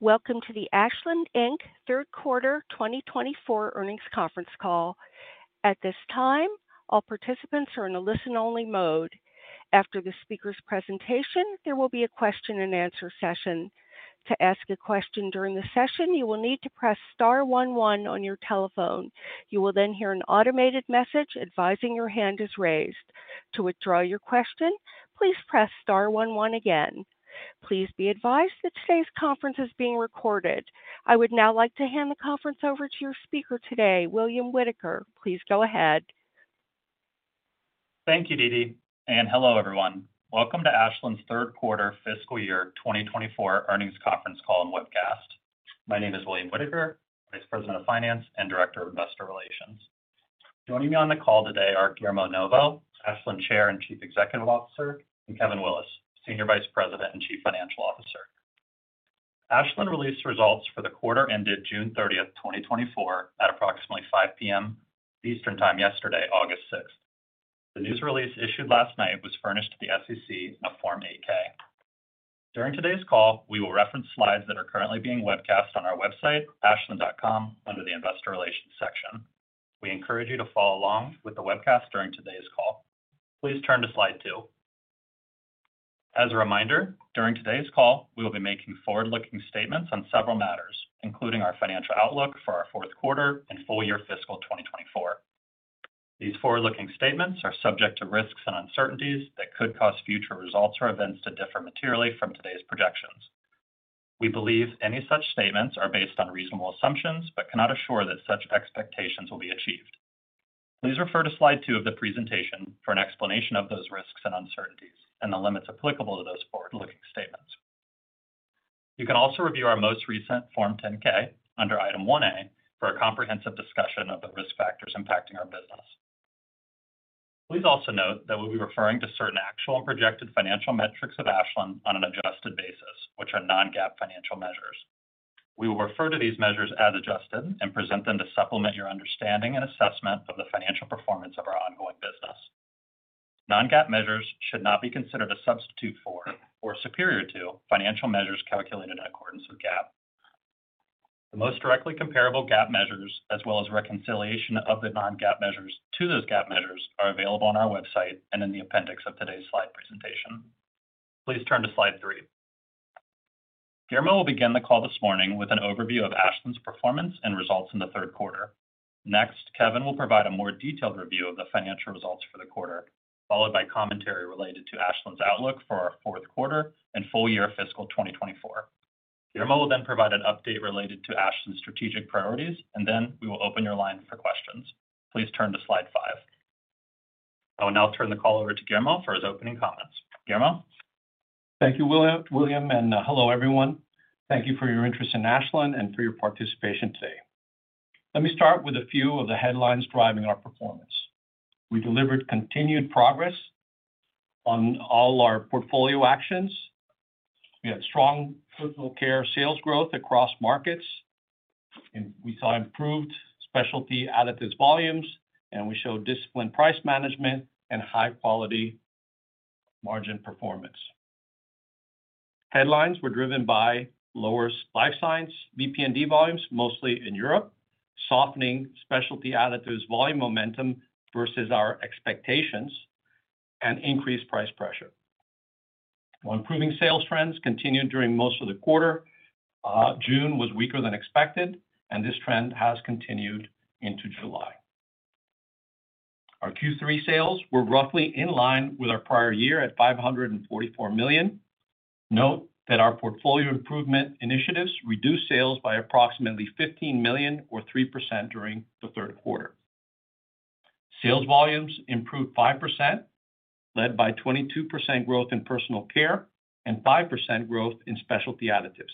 Welcome to the Ashland Inc Third Quarter 2024 Earnings Conference Call. At this time, all participants are in a listen-only mode. After the speaker's presentation, there will be a question-and-answer session. To ask a question during the session, you will need to press star one one on your telephone. You will then hear an automated message advising your hand is raised. To withdraw your question, please press star one one again. Please be advised that today's conference is being recorded. I would now like to hand the conference over to your speaker today, William Whitaker. Please go ahead. Thank you, DeeDee. Hello, everyone. Welcome to Ashland's third quarter fiscal year 2024 earnings conference call and webcast. My name is William Whitaker, Vice President of Finance and Director of Investor Relations. Joining me on the call today are Guillermo Novo, Ashland Chair and Chief Executive Officer, and Kevin Willis, Senior Vice President and Chief Financial Officer. Ashland released results for the quarter ended June 30th, 2024, at approximately 5:00 P.M. Eastern Time yesterday, August 6. The news release issued last night was furnished to the SEC in a Form 8-K. During today's call, we will reference slides that are currently being webcast on our website, ashland.com, under the Investor Relations section. We encourage you to follow along with the webcast during today's call. Please turn to slide two. As a reminder, during today's call, we will be making forward-looking statements on several matters, including our financial outlook for our fourth quarter and full year fiscal 2024. These forward-looking statements are subject to risks and uncertainties that could cause future results or events to differ materially from today's projections. We believe any such statements are based on reasonable assumptions but cannot assure that such expectations will be achieved. Please refer to slide two of the presentation for an explanation of those risks and uncertainties and the limits applicable to those forward-looking statements. You can also review our most recent Form 10-K under Item 1A for a comprehensive discussion of the risk factors impacting our business. Please also note that we'll be referring to certain actual and projected financial metrics of Ashland on an adjusted basis, which are non-GAAP financial measures. We will refer to these measures as adjusted and present them to supplement your understanding and assessment of the financial performance of our ongoing business. Non-GAAP measures should not be considered a substitute for or superior to financial measures calculated in accordance with GAAP. The most directly comparable GAAP measures, as well as reconciliation of the non-GAAP measures to those GAAP measures, are available on our website and in the appendix of today's slide presentation. Please turn to slide three. Guillermo will begin the call this morning with an overview of Ashland's performance and results in the third quarter. Next, Kevin will provide a more detailed review of the financial results for the quarter, followed by commentary related to Ashland's outlook for our fourth quarter and full year fiscal 2024. Guillermo will then provide an update related to Ashland's strategic priorities, and then we will open your line for questions. Please turn to slide five. I will now turn the call over to Guillermo for his opening comments. Guillermo. Thank you, William, and hello, everyone. Thank you for your interest in Ashland and for your participation today. Let me start with a few of the headlines driving our performance. We delivered continued progress on all our portfolio actions. We had strong Personal Care sales growth across markets, and we saw improved Specialty Additives volumes, and we showed disciplined price management and high-quality margin performance. Headlines were driven by lower life science VP&D volumes, mostly in Europe, softening Specialty Additives volume momentum versus our expectations, and increased price pressure. Improving sales trends continued during most of the quarter. June was weaker than expected, and this trend has continued into July. Our Q3 sales were roughly in line with our prior year at $544 million. Note that our portfolio improvement initiatives reduced sales by approximately $15 million, or 3%, during the third quarter. Sales volumes improved 5%, led by 22% growth in Personal Care and 5% growth in Specialty Additives.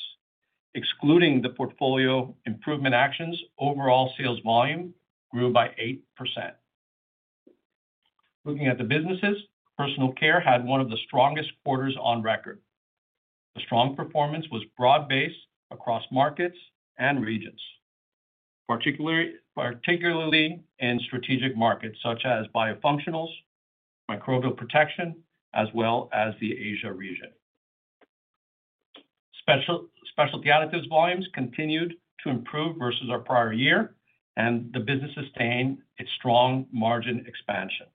Excluding the portfolio improvement actions, overall sales volume grew by 8%. Looking at the businesses, Personal Care had one of the strongest quarters on record. The strong performance was broad-based across markets and regions, particularly in strategic markets such as Biofunctionals, Microbial Protection, as well as the Asia region. Specialty Additives volumes continued to improve versus our prior year, and the business sustained its strong margin expansion,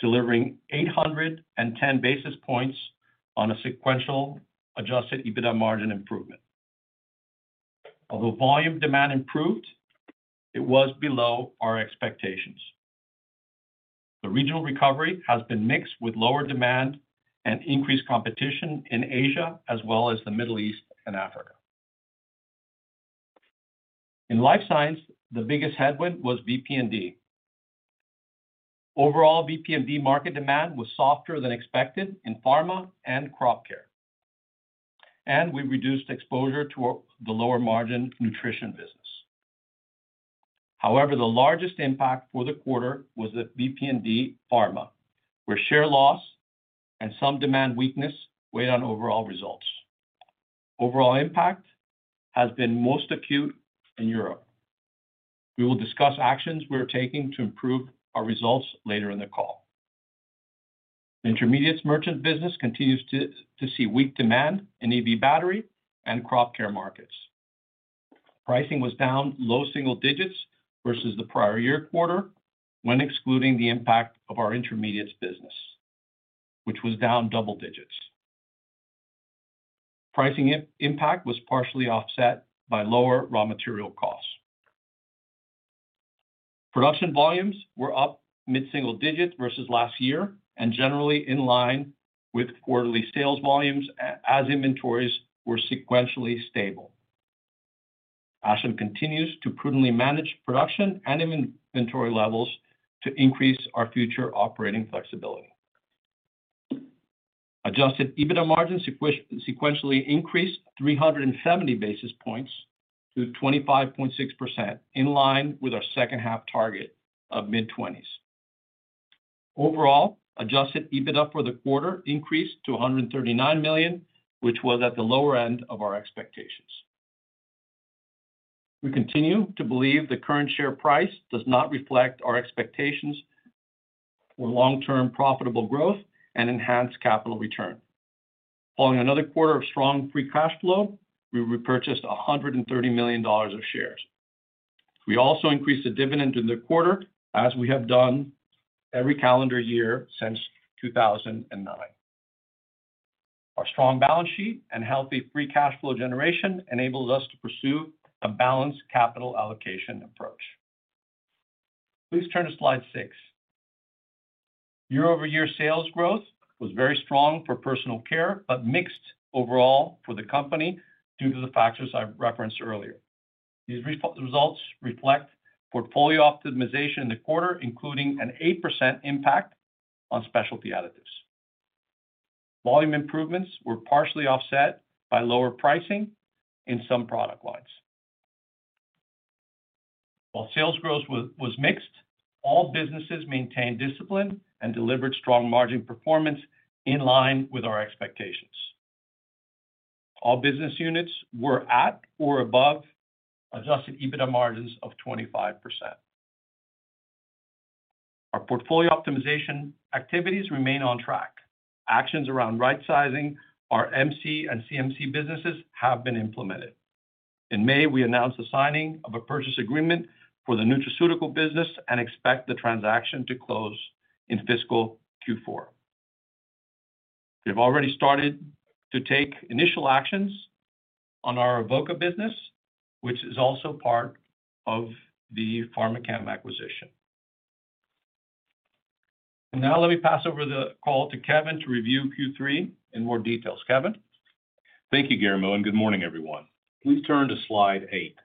delivering 810 basis points on a sequential Adjusted EBITDA margin improvement. Although volume demand improved, it was below our expectations. The regional recovery has been mixed with lower demand and increased competition in Asia, as well as the Middle East and Africa. In Life Sciences, the biggest headwind was VP&D. Overall, VP&D market demand was softer than expected in pharma and crop care, and we reduced exposure to the lower margin nutrition business. However, the largest impact for the quarter was the VP&D pharma, where share loss and some demand weakness weighed on overall results. Overall impact has been most acute in Europe. We will discuss actions we're taking to improve our results later in the call. Intermediates merchant business continues to see weak demand in EV battery and crop care markets. Pricing was down low single digits versus the prior year quarter when excluding the impact of our intermediates business, which was down double digits. Pricing impact was partially offset by lower raw material costs. Production volumes were up mid-single digit versus last year and generally in line with quarterly sales volumes as inventories were sequentially stable. Ashland continues to prudently manage production and inventory levels to increase our future operating flexibility. Adjusted EBITDA margins sequentially increased 370 basis points to 25.6%, in line with our second-half target of mid-20s. Overall, adjusted EBITDA for the quarter increased to $139 million, which was at the lower end of our expectations. We continue to believe the current share price does not reflect our expectations for long-term profitable growth and enhanced capital return. Following another quarter of strong free cash flow, we repurchased $130 million of shares. We also increased the dividend in the quarter, as we have done every calendar year since 2009. Our strong balance sheet and healthy free cash flow generation enabled us to pursue a balanced capital allocation approach. Please turn to slide six. Year-over-year sales growth was very strong for Personal Care but mixed overall for the company due to the factors I referenced earlier. These results reflect portfolio optimization in the quarter, including an 8% impact on Specialty Additives. Volume improvements were partially offset by lower pricing in some product lines. While sales growth was mixed, all businesses maintained discipline and delivered strong margin performance in line with our expectations. All business units were at or above Adjusted EBITDA margins of 25%. Our portfolio optimization activities remain on track. Actions around right-sizing our MC and CMC businesses have been implemented. In May, we announced the signing of a purchase agreement for the nutraceuticals business and expect the transaction to close in fiscal Q4. We have already started to take initial actions on our Avoca business, which is also part of the Pharmachem acquisition. Now, let me pass over the call to Kevin to review Q3 in more detail. Kevin. Thank you, Guillermo, and good morning, everyone. Please turn to slide eight.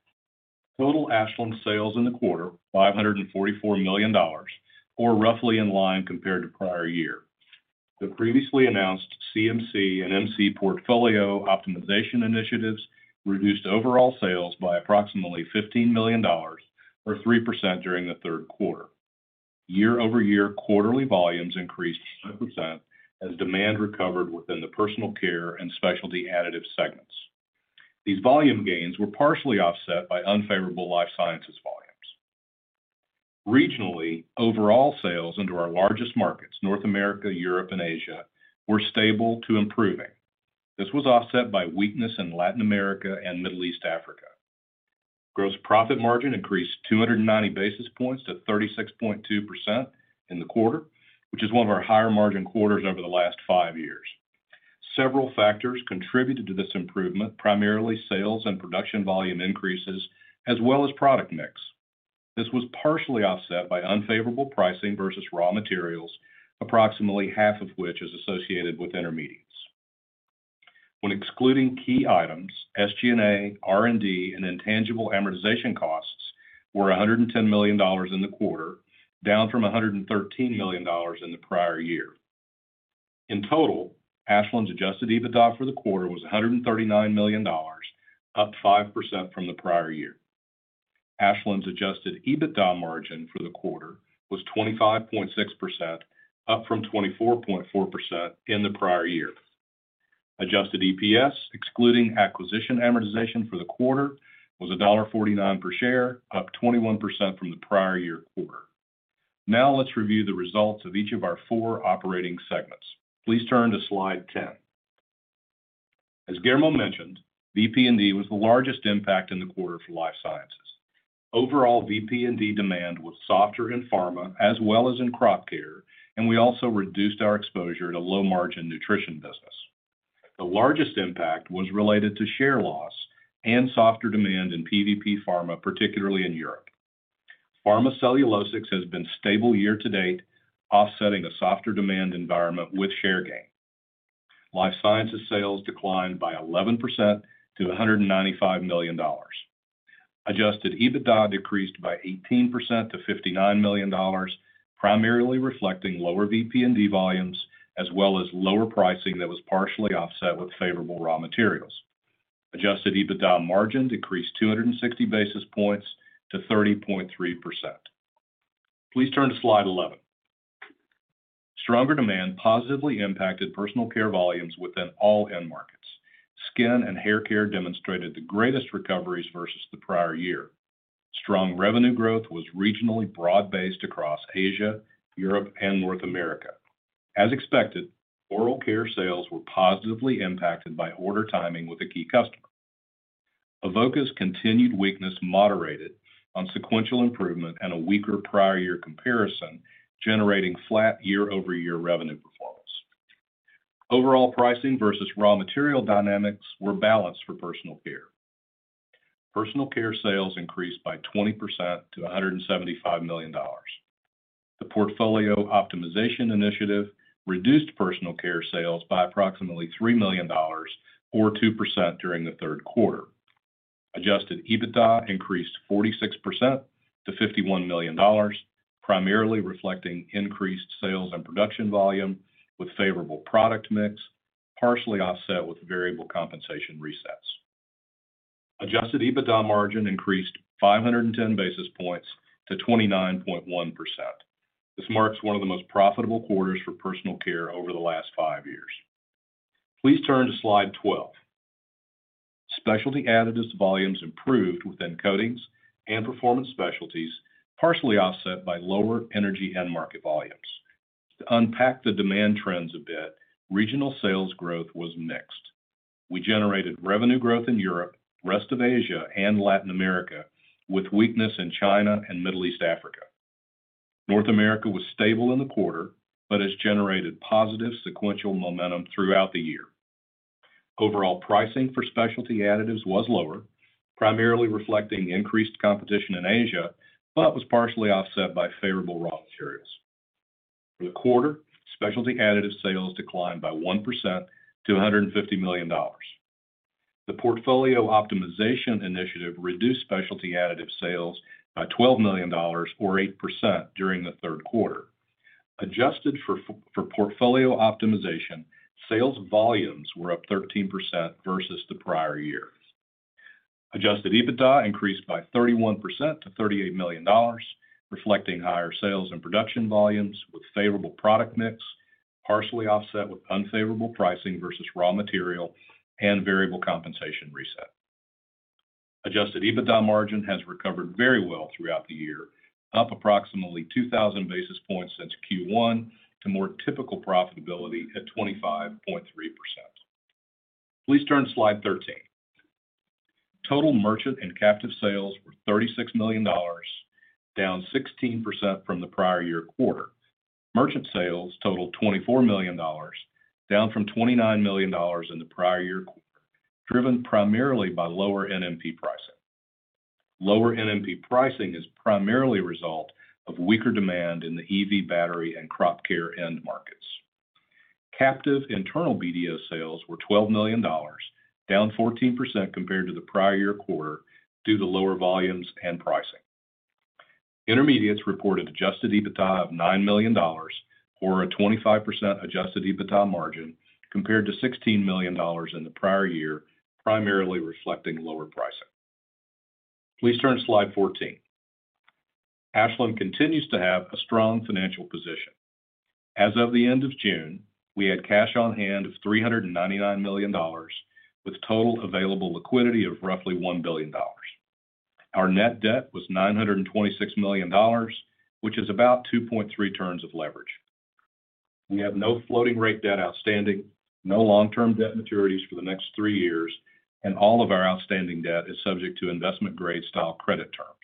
Total Ashland sales in the quarter: $544 million, or roughly in line compared to prior year. The previously announced CMC and MC portfolio optimization initiatives reduced overall sales by approximately $15 million, or 3%, during the third quarter. Year-over-year quarterly volumes increased 5% as demand recovered within the Personal Care and specialty additive segments. These volume gains were partially offset by unfavorable life sciences volumes. Regionally, overall sales into our largest markets, North America, Europe, and Asia, were stable to improving. This was offset by weakness in Latin America and Middle East Africa. Gross profit margin increased 290 basis points to 36.2% in the quarter, which is one of our higher margin quarters over the last five years. Several factors contributed to this improvement, primarily sales and production volume increases, as well as product mix. This was partially offset by unfavorable pricing versus raw materials, approximately half of which is associated with Intermediates. When excluding key items, SG&A, R&D, and intangible amortization costs were $110 million in the quarter, down from $113 million in the prior year. In total, Ashland's Adjusted EBITDA for the quarter was $139 million, up 5% from the prior year. Ashland's Adjusted EBITDA margin for the quarter was 25.6%, up from 24.4% in the prior year. Adjusted EPS, excluding acquisition amortization for the quarter, was $1.49 per share, up 21% from the prior year quarter. Now, let's review the results of each of our four operating segments. Please turn to slide 10. As Guillermo mentioned, VP&D was the largest impact in the quarter for Life Sciences. Overall, VP&D demand was softer in pharma as well as in crop care, and we also reduced our exposure to low-margin nutrition business. The largest impact was related to share loss and softer demand in PVP pharma, particularly in Europe. Pharma cellulosics has been stable year to date, offsetting a softer demand environment with share gain. Life Sciences sales declined by 11% to $195 million. Adjusted EBITDA decreased by 18% to $59 million, primarily reflecting lower VP&D volumes as well as lower pricing that was partially offset with favorable raw materials. Adjusted EBITDA margin decreased 260 basis points to 30.3%. Please turn to slide 11. Stronger demand positively impacted Personal Care volumes within all end markets. Skin and hair care demonstrated the greatest recoveries versus the prior year. Strong revenue growth was regionally broad-based across Asia, Europe, and North America. As expected, oral care sales were positively impacted by order timing with a key customer. Avoca's continued weakness moderated on sequential improvement and a weaker prior year comparison, generating flat year-over-year revenue performance. Overall pricing versus raw material dynamics were balanced for Personal Care. Personal Care sales increased by 20% to $175 million. The portfolio optimization initiative reduced Personal Care sales by approximately $3 million, or 2%, during the third quarter. Adjusted EBITDA increased 46% to $51 million, primarily reflecting increased sales and production volume with favorable product mix, partially offset with variable compensation resets. Adjusted EBITDA margin increased 510 basis points to 29.1%. This marks one of the most profitable quarters for Personal Care over the last five years. Please turn to slide 12. Specialty Additives volumes improved within Coatings and Performance Specialties, partially offset by lower energy end market volumes. To unpack the demand trends a bit, regional sales growth was mixed. We generated revenue growth in Europe, rest of Asia, and Latin America, with weakness in China and Middle East Africa. North America was stable in the quarter but has generated positive sequential momentum throughout the year. Overall pricing for Specialty Additives was lower, primarily reflecting increased competition in Asia, but was partially offset by favorable raw materials. For the quarter, specialty additive sales declined by 1% to $150 million. The portfolio optimization initiative reduced specialty additive sales by $12 million, or 8%, during the third quarter. Adjusted for portfolio optimization, sales volumes were up 13% versus the prior year. Adjusted EBITDA increased by 31% to $38 million, reflecting higher sales and production volumes with favorable product mix, partially offset with unfavorable pricing versus raw material and variable compensation reset. Adjusted EBITDA margin has recovered very well throughout the year, up approximately 2,000 basis points since Q1 to more typical profitability at 25.3%. Please turn to slide 13. Total merchant and captive sales were $36 million, down 16% from the prior year quarter. Merchant sales totaled $24 million, down from $29 million in the prior year quarter, driven primarily by lower NMP pricing. Lower NMP pricing is primarily a result of weaker demand in the EV battery and crop care end markets. Captive internal BDO sales were $12 million, down 14% compared to the prior year quarter due to lower volumes and pricing. Intermediates reported adjusted EBITDA of $9 million, or a 25% adjusted EBITDA margin, compared to $16 million in the prior year, primarily reflecting lower pricing. Please turn to slide 14. Ashland continues to have a strong financial position. As of the end of June, we had cash on hand of $399 million, with total available liquidity of roughly $1 billion. Our net debt was $926 million, which is about 2.3 turns of leverage. We have no floating rate debt outstanding, no long-term debt maturities for the next three years, and all of our outstanding debt is subject to investment-grade style credit terms.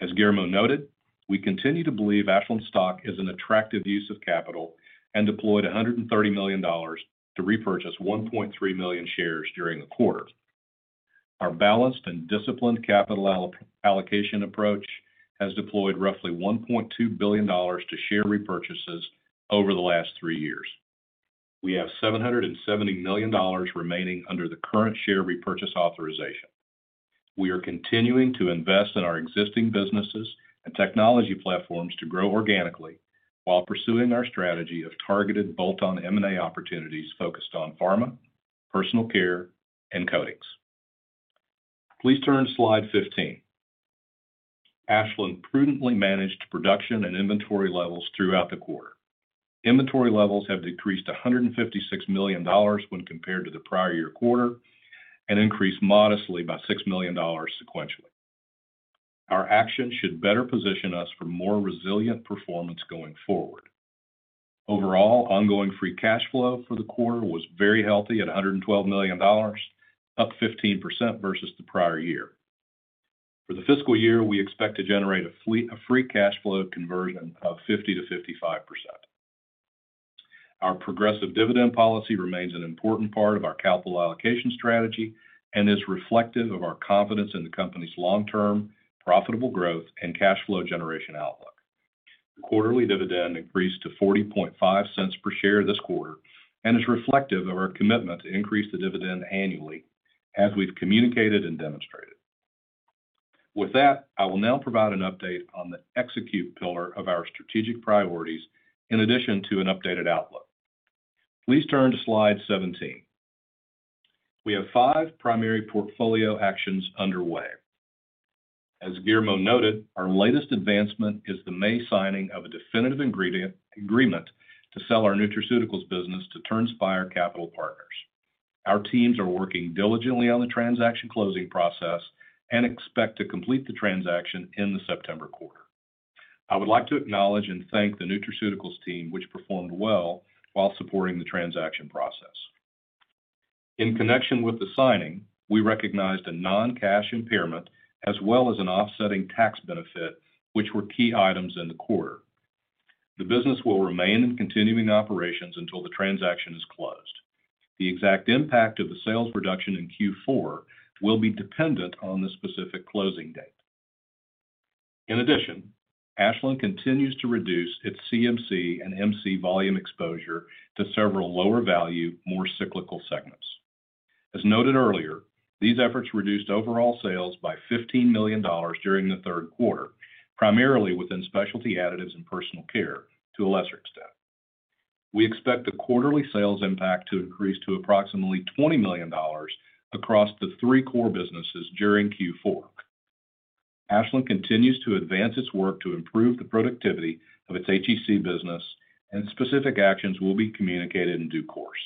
As Guillermo noted, we continue to believe Ashland stock is an attractive use of capital and deployed $130 million to repurchase 1.3 million shares during the quarter. Our balanced and disciplined capital allocation approach has deployed roughly $1.2 billion to share repurchases over the last three years. We have $770 million remaining under the current share repurchase authorization. We are continuing to invest in our existing businesses and technology platforms to grow organically while pursuing our strategy of targeted bolt-on M&A opportunities focused on pharma, Personal Care, and coatings. Please turn to slide 15. Ashland prudently managed production and inventory levels throughout the quarter. Inventory levels have decreased $156 million when compared to the prior year quarter and increased modestly by $6 million sequentially. Our actions should better position us for more resilient performance going forward. Overall, ongoing free cash flow for the quarter was very healthy at $112 million, up 15% versus the prior year. For the fiscal year, we expect to generate a free cash flow conversion of 50%-55%. Our progressive dividend policy remains an important part of our capital allocation strategy and is reflective of our confidence in the company's long-term profitable growth and cash flow generation outlook. The quarterly dividend increased to $0.405 per share this quarter and is reflective of our commitment to increase the dividend annually, as we've communicated and demonstrated. With that, I will now provide an update on the execute pillar of our strategic priorities, in addition to an updated outlook. Please turn to slide 17. We have five primary portfolio actions underway. As Guillermo noted, our latest advancement is the May signing of a definitive agreement to sell our nutraceuticals business to Turnspire Capital Partners. Our teams are working diligently on the transaction closing process and expect to complete the transaction in the September quarter. I would like to acknowledge and thank the nutraceuticals team, which performed well while supporting the transaction process. In connection with the signing, we recognized a non-cash impairment as well as an offsetting tax benefit, which were key items in the quarter. The business will remain in continuing operations until the transaction is closed. The exact impact of the sales reduction in Q4 will be dependent on the specific closing date. In addition, Ashland continues to reduce its CMC and MC volume exposure to several lower value, more cyclical segments. As noted earlier, these efforts reduced overall sales by $15 million during the third quarter, primarily within Specialty Additives and Personal Care to a lesser extent. We expect the quarterly sales impact to increase to approximately $20 million across the three core businesses during Q4. Ashland continues to advance its work to improve the productivity of its HEC business, and specific actions will be communicated in due course.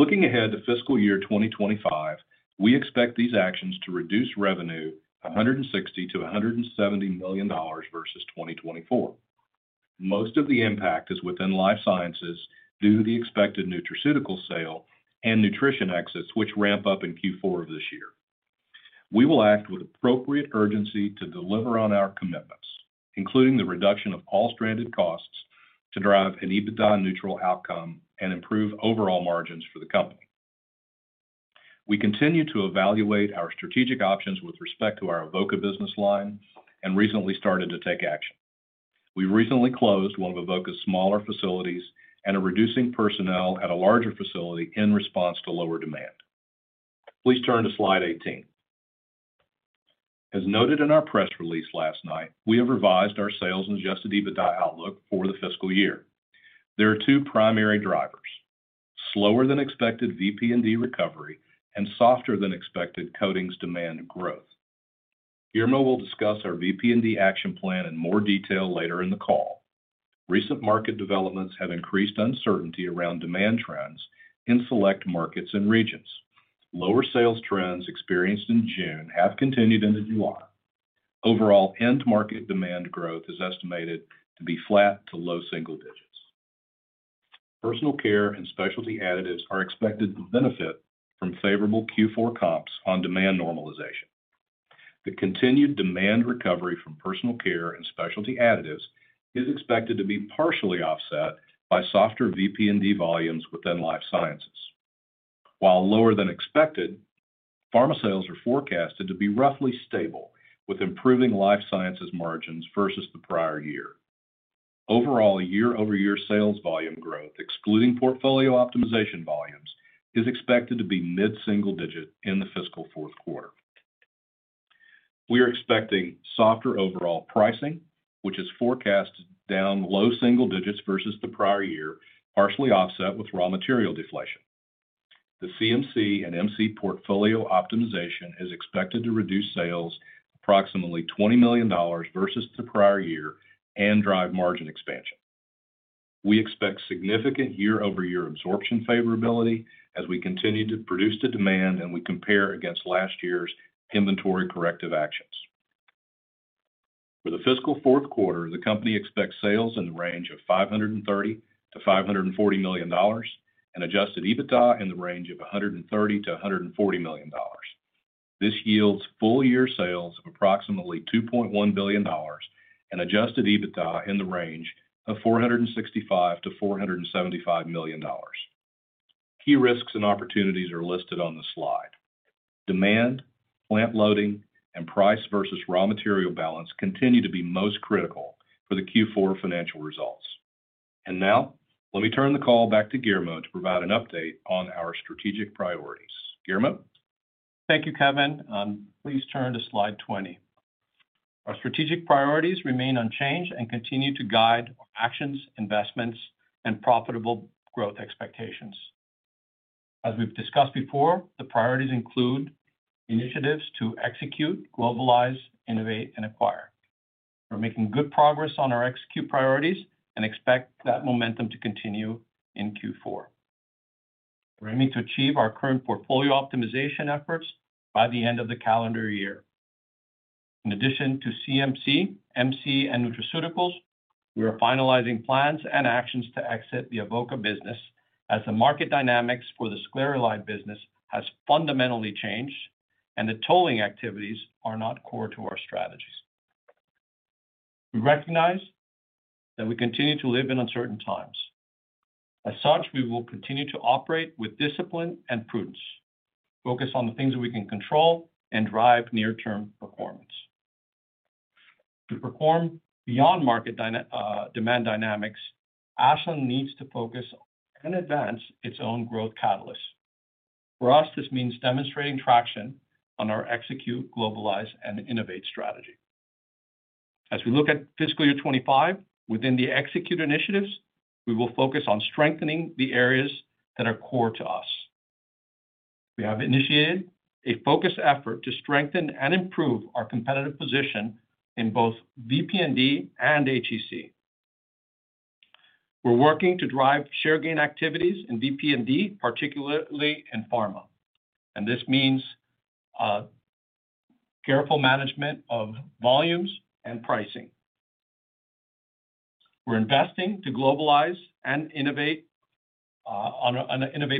Looking ahead to fiscal year 2025, we expect these actions to reduce revenue $160 million-$170 million versus 2024. Most of the impact is within Life Sciences due to the expected nutraceutical sale and nutrition exits, which ramp up in Q4 of this year. We will act with appropriate urgency to deliver on our commitments, including the reduction of all stranded costs to drive an EBITDA-neutral outcome and improve overall margins for the company. We continue to evaluate our strategic options with respect to our Avoca business line and recently started to take action. We recently closed one of Avoca's smaller facilities and are reducing personnel at a larger facility in response to lower demand. Please turn to slide 18. As noted in our press release last night, we have revised our sales and Adjusted EBITDA outlook for the fiscal year. There are two primary drivers: slower than expected VP&D recovery and softer than expected coatings demand growth. Guillermo will discuss our VP&D action plan in more detail later in the call. Recent market developments have increased uncertainty around demand trends in select markets and regions. Lower sales trends experienced in June have continued into July. Overall, end market demand growth is estimated to be flat to low single digits. Personal Care and Specialty Additives are expected to benefit from favorable Q4 comps on demand normalization. The continued demand recovery from Personal Care and Specialty Additives is expected to be partially offset by softer VP&D volumes within Life Sciences. While lower than expected, pharma sales are forecasted to be roughly stable with improving Life Sciences margins versus the prior year. Overall, year-over-year sales volume growth, excluding portfolio optimization volumes, is expected to be mid-single digit in the fiscal fourth quarter. We are expecting softer overall pricing, which is forecasted down low single digits versus the prior year, partially offset with raw material deflation. The CMC and MC portfolio optimization is expected to reduce sales approximately $20 million versus the prior year and drive margin expansion. We expect significant year-over-year absorption favorability as we continue to produce the demand and we compare against last year's inventory corrective actions. For the fiscal fourth quarter, the company expects sales in the range of $530 million-$540 million and Adjusted EBITDA in the range of $130 million-$140 million. This yields full year sales of approximately $2.1 billion and adjusted EBITDA in the range of $465 million-$475 million. Key risks and opportunities are listed on the slide. Demand, plant loading, and price versus raw material balance continue to be most critical for the Q4 financial results. Now, let me turn the call back to Guillermo to provide an update on our strategic priorities. Guillermo? Thank you, Kevin. Please turn to slide 20. Our strategic priorities remain unchanged and continue to guide our actions, investments, and profitable growth expectations. As we've discussed before, the priorities include initiatives to execute, globalize, innovate, and acquire. We're making good progress on our execute priorities and expect that momentum to continue in Q4. We're aiming to achieve our current portfolio optimization efforts by the end of the calendar year. In addition to CMC, MC, and nutraceuticals, we are finalizing plans and actions to exit the Avoca business as the market dynamics for the sclareolide business has fundamentally changed and the tolling activities are not core to our strategies. We recognize that we continue to live in uncertain times. As such, we will continue to operate with discipline and prudence, focus on the things that we can control, and drive near-term performance. To perform beyond market demand dynamics, Ashland needs to focus and advance its own growth catalysts. For us, this means demonstrating traction on our execute, globalize, and innovate strategy. As we look at fiscal year 2025, within the execute initiatives, we will focus on strengthening the areas that are core to us. We have initiated a focused effort to strengthen and improve our competitive position in both VP&D and HEC. We're working to drive share gain activities in VP&D, particularly in pharma, and this means careful management of volumes and pricing. We're investing to globalize and innovate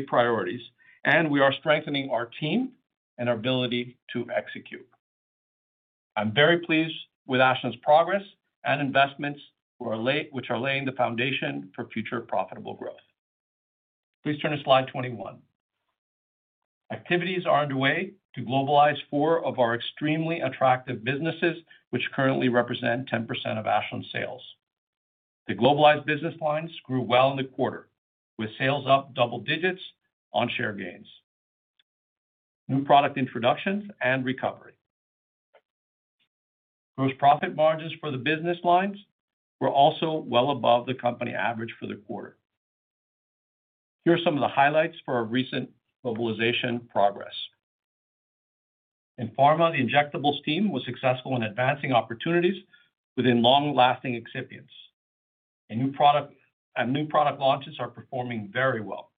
priorities, and we are strengthening our team and our ability to execute. I'm very pleased with Ashland's progress and investments which are laying the foundation for future profitable growth. Please turn to slide 21. Activities are underway to globalize four of our extremely attractive businesses, which currently represent 10% of Ashland's sales. The Globalized business lines grew well in the quarter, with sales up double digits on share gains, new product introductions, and recovery. Gross profit margins for the business lines were also well above the company average for the quarter. Here are some of the highlights for our recent globalization progress. In pharma, the injectables team was successful in advancing opportunities within long-lasting excipients. New product launches are performing very well.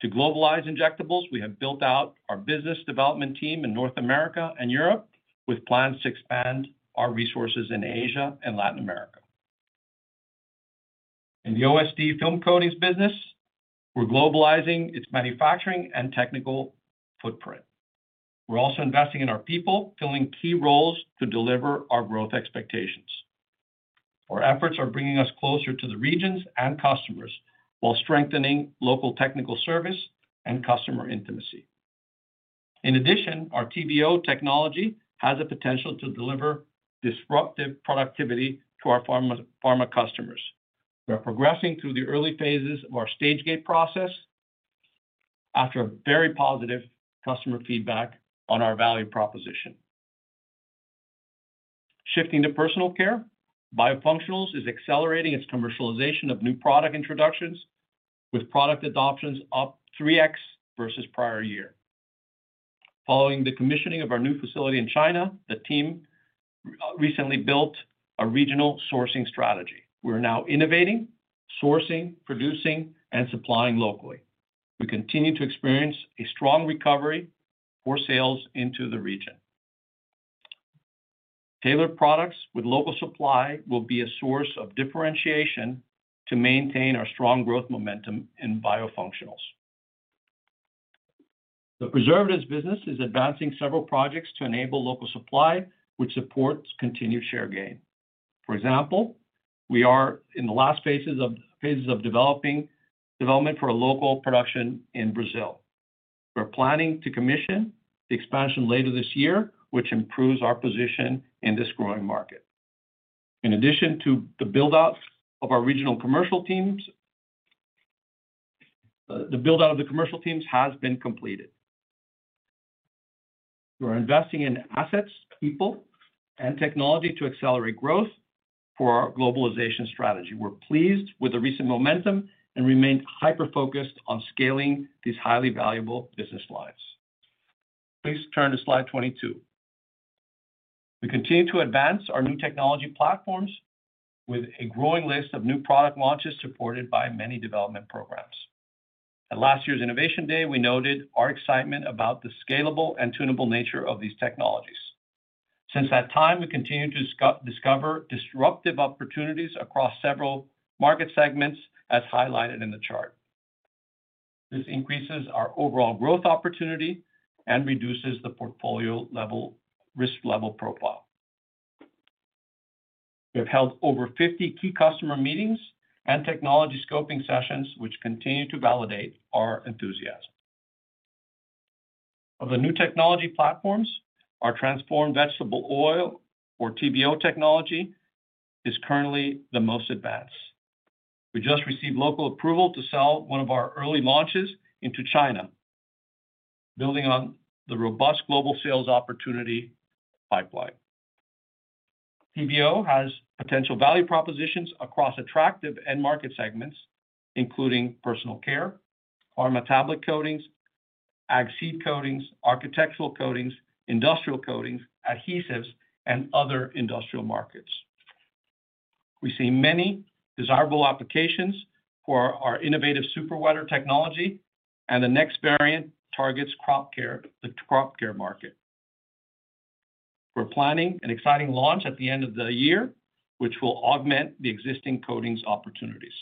To globalize injectables, we have built out our business development team in North America and Europe, with plans to expand our resources in Asia and Latin America. In the OSD film coatings business, we're globalizing its manufacturing and technical footprint. We're also investing in our people, filling key roles to deliver our growth expectations. Our efforts are bringing us closer to the regions and customers while strengthening local technical service and customer intimacy. In addition, our TVO technology has the potential to deliver disruptive productivity to our pharma customers. We're progressing through the early phases of our stage gate process after very positive customer feedback on our value proposition. Shifting to Personal Care, Biofunctionals is accelerating its commercialization of new product introductions, with product adoptions up 3X versus prior year. Following the commissioning of our new facility in China, the team recently built a regional sourcing strategy. We're now innovating, sourcing, producing, and supplying locally. We continue to experience a strong recovery for sales into the region. Tailored products with local supply will be a source of differentiation to maintain our strong growth momentum in Biofunctionals. The preservatives business is advancing several projects to enable local supply, which supports continued share gain. For example, we are in the last phases of development for a local production in Brazil. We're planning to commission the expansion later this year, which improves our position in this growing market. In addition to the build-out of our regional commercial teams, the build-out of the commercial teams has been completed. We're investing in assets, people, and technology to accelerate growth for our globalization strategy. We're pleased with the recent momentum and remain hyper-focused on scaling these highly valuable business lines. Please turn to slide 22. We continue to advance our new technology platforms with a growing list of new product launches supported by many development programs. At last year's Innovation Day, we noted our excitement about the scalable and tunable nature of these technologies. Since that time, we continue to discover disruptive opportunities across several market segments, as highlighted in the chart. This increases our overall growth opportunity and reduces the portfolio risk level profile. We have held over 50 key customer meetings and technology scoping sessions, which continue to validate our enthusiasm. Of the new technology platforms, our transformed vegetable oil, or TVO technology, is currently the most advanced. We just received local approval to sell one of our early launches into China, building on the robust global sales opportunity pipeline. TVO has potential value propositions across attractive end market segments, including Personal Care, pharma tablet coatings, ag seed coatings, architectural coatings, industrial coatings, adhesives, and other industrial markets. We see many desirable applications for our innovative super wetter technology, and the next variant targets the crop care market. We're planning an exciting launch at the end of the year, which will augment the existing coatings opportunities.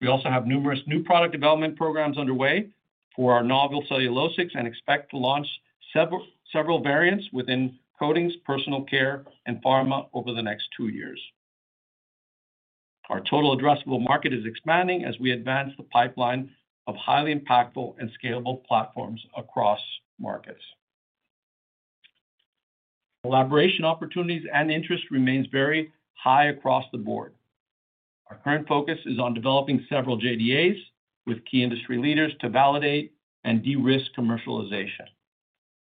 We also have numerous new product development programs underway for our novel cellulosics and expect to launch several variants within Coatings, Personal Care, and Pharma over the next 2 years. Our total addressable market is expanding as we advance the pipeline of highly impactful and scalable platforms across markets. Collaboration opportunities and interest remain very high across the board. Our current focus is on developing several JDAs with key industry leaders to validate and de-risk commercialization.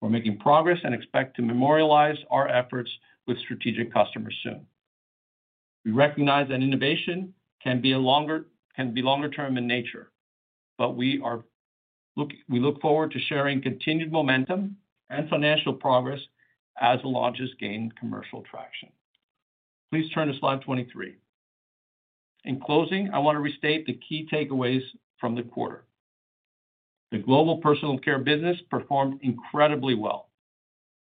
We're making progress and expect to memorialize our efforts with strategic customers soon. We recognize that innovation can be longer-term in nature, but we look forward to sharing continued momentum and financial progress as the launches gain commercial traction. Please turn to slide 23. In closing, I want to restate the key takeaways from the quarter. The global Personal Care business performed incredibly well.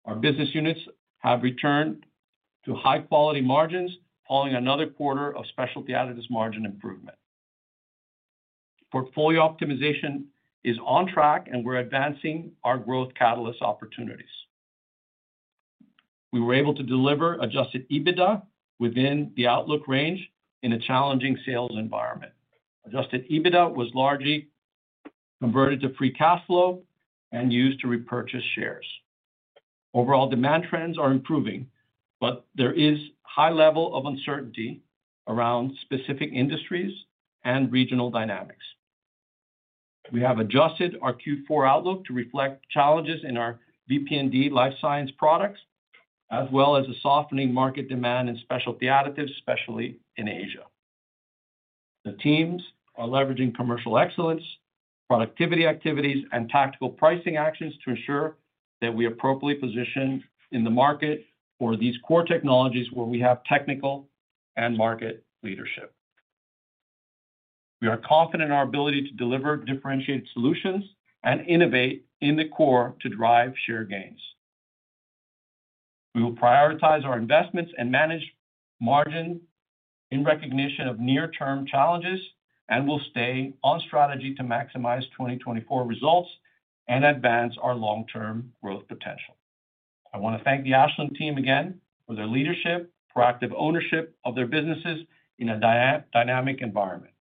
Our business units have returned to high-quality margins, following another quarter of Specialty Additives margin improvement. Portfolio optimization is on track, and we're advancing our growth catalyst opportunities. We were able to deliver adjusted EBITDA within the outlook range in a challenging sales environment. Adjusted EBITDA was largely converted to free cash flow and used to repurchase shares. Overall demand trends are improving, but there is a high level of uncertainty around specific industries and regional dynamics. We have adjusted our Q4 outlook to reflect challenges in our VP&D Life Sciences products, as well as a softening market demand in Specialty Additives, especially in Asia. The teams are leveraging commercial excellence, productivity activities, and tactical pricing actions to ensure that we are appropriately positioned in the market for these core technologies where we have technical and market leadership. We are confident in our ability to deliver differentiated solutions and innovate in the core to drive share gains. We will prioritize our investments and manage margin in recognition of near-term challenges and will stay on strategy to maximize 2024 results and advance our long-term growth potential. I want to thank the Ashland team again for their leadership, proactive ownership of their businesses in a dynamic environment.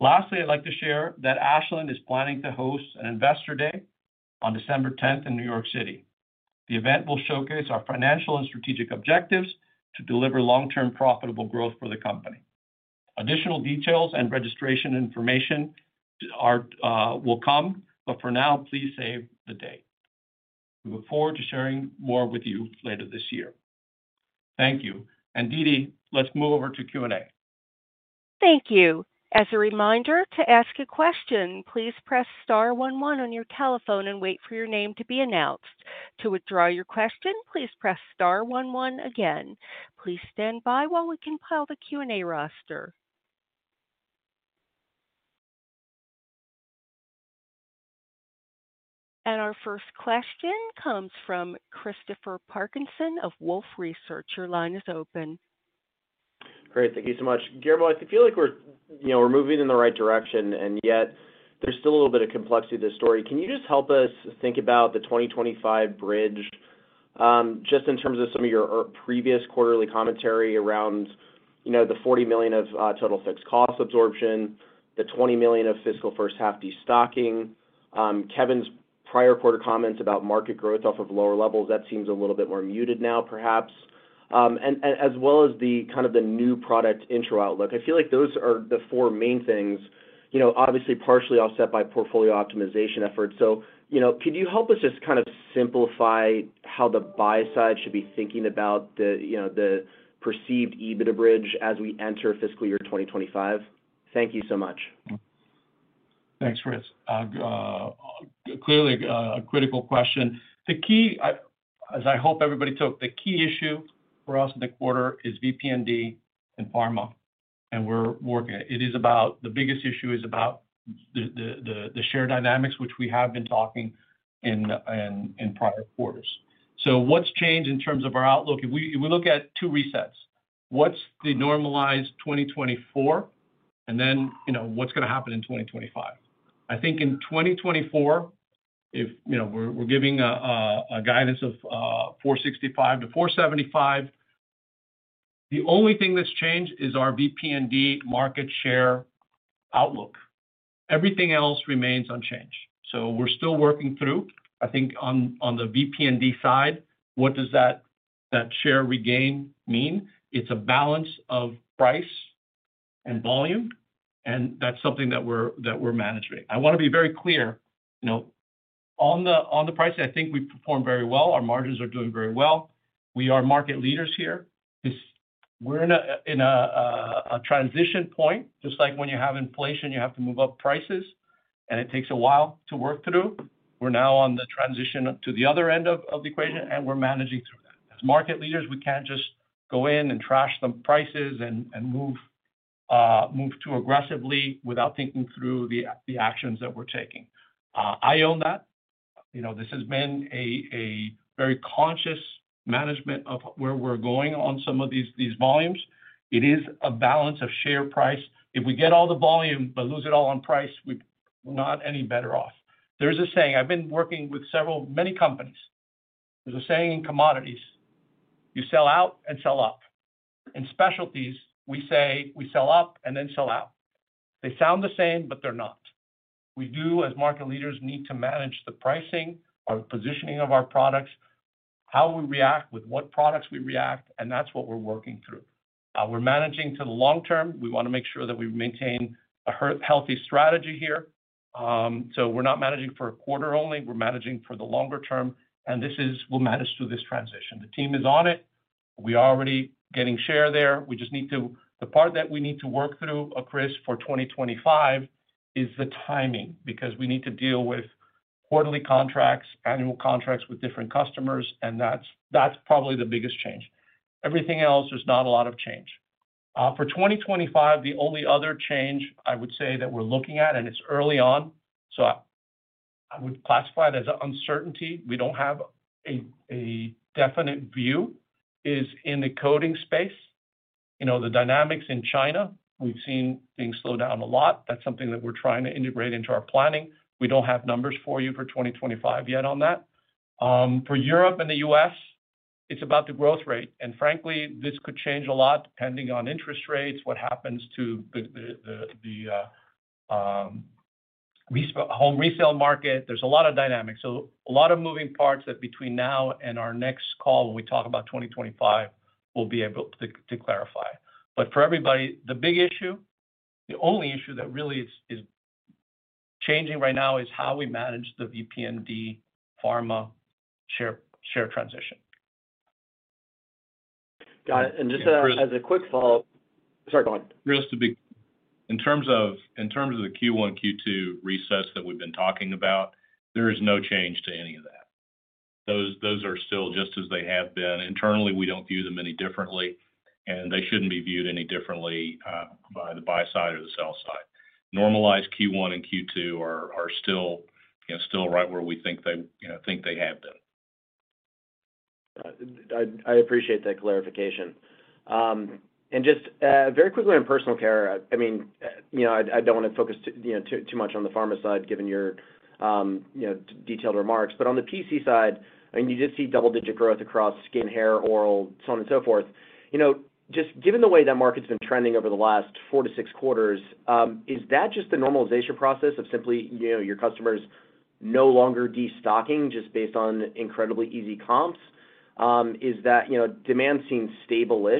Lastly, I'd like to share that Ashland is planning to host an Investor Day on December 10th in New York City. The event will showcase our financial and strategic objectives to deliver long-term profitable growth for the company. Additional details and registration information will come, but for now, please save the date. We look forward to sharing more with you later this year. Thank you. DeeDee, let's move over to Q&A. Thank you. As a reminder to ask a question, please press star one one on your telephone and wait for your name to be announced. To withdraw your question, please press star one one again. Please stand by while we compile the Q&A roster. Our first question comes from Christopher Parkinson of Wolfe Research. Your line is open. Great. Thank you so much. Guillermo, I feel like we're moving in the right direction, and yet there's still a little bit of complexity to the story. Can you just help us think about the 2025 bridge just in terms of some of your previous quarterly commentary around the $40 million of total fixed cost absorption, the $20 million of fiscal first half destocking, Kevin's prior quarter comments about market growth off of lower levels. That seems a little bit more muted now, perhaps, as well as the kind of the new product intro outlook. I feel like those are the four main things, obviously partially offset by portfolio optimization efforts. So could you help us just kind of simplify how the buy side should be thinking about the perceived EBITDA bridge as we enter fiscal year 2025? Thank you so much. Thanks, Chris. Clearly, a critical question. As I hope everybody took, the key issue for us in the quarter is VP&D and pharma, and we're working it. The biggest issue is about the share dynamics, which we have been talking in prior quarters. So what's changed in terms of our outlook? If we look at two resets, what's the normalized 2024, and then what's going to happen in 2025? I think in 2024, if we're giving a guidance of $465 million-$475 million, the only thing that's changed is our VP&D market share outlook. Everything else remains unchanged. So we're still working through, I think, on the VP&D side. What does that share regain mean? It's a balance of price and volume, and that's something that we're managing. I want to be very clear. On the pricing, I think we perform very well. Our margins are doing very well. We are market leaders here. We're in a transition point, just like when you have inflation, you have to move up prices, and it takes a while to work through. We're now on the transition to the other end of the equation, and we're managing through that. As market leaders, we can't just go in and trash some prices and move too aggressively without thinking through the actions that we're taking. I own that. This has been a very conscious management of where we're going on some of these volumes. It is a balance of share price. If we get all the volume but lose it all on price, we're not any better off. There's a saying. I've been working with many companies. There's a saying in commodities. You sell out and sell up. In specialties, we say we sell up and then sell out. They sound the same, but they're not. We do, as market leaders, need to manage the pricing, our positioning of our products, how we react with what products we react, and that's what we're working through. We're managing to the long term. We want to make sure that we maintain a healthy strategy here. So we're not managing for a quarter only. We're managing for the longer term, and this will manage through this transition. The team is on it. We are already getting share there. We just need to—the part that we need to work through, Chris, for 2025 is the timing because we need to deal with quarterly contracts, annual contracts with different customers, and that's probably the biggest change. Everything else is not a lot of change. For 2025, the only other change I would say that we're looking at, and it's early on, so I would classify it as an uncertainty. We don't have a definite view in the coatings space. The dynamics in China, we've seen things slow down a lot. That's something that we're trying to integrate into our planning. We don't have numbers for you for 2025 yet on that. For Europe and the U.S., it's about the growth rate. And frankly, this could change a lot depending on interest rates, what happens to the home resale market. There's a lot of dynamics. So a lot of moving parts that between now and our next call, when we talk about 2025, we'll be able to clarify. But for everybody, the big issue, the only issue that really is changing right now is how we manage the VP&D pharma share transition. Got it. Just as a quick follow-up, sorry, go on. Chris, in terms of the Q1, Q2 resets that we've been talking about, there is no change to any of that. Those are still just as they have been. Internally, we don't view them any differently, and they shouldn't be viewed any differently by the buy side or the sell side. Normalized Q1 and Q2 are still right where we think they have been. I appreciate that clarification. Just very quickly on Personal Care, I mean, I don't want to focus too much on the pharma side, given your detailed remarks. But on the PC side, I mean, you did see double-digit growth across skin, hair, oral, so on and so forth. Just given the way that market's been trending over the last four to six quarters, is that just the normalization process of simply your customers no longer destocking just based on incredibly easy comps? Is that demand seem stable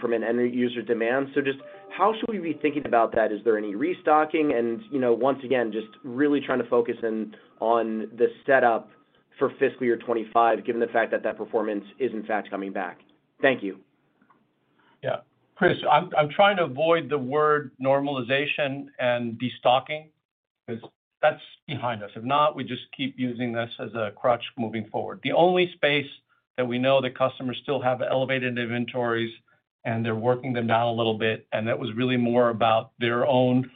from an end-user demand? Just how should we be thinking about that? Is there any restocking? And once again, just really trying to focus in on the setup for fiscal year 2025, given the fact that that performance is, in fact, coming back. Thank you. Yeah. Chris, I'm trying to avoid the word normalization and destocking because that's behind us. If not, we just keep using this as a crutch moving forward. The only space that we know that customers still have elevated inventories and they're working them down a little bit, and that was really more about their own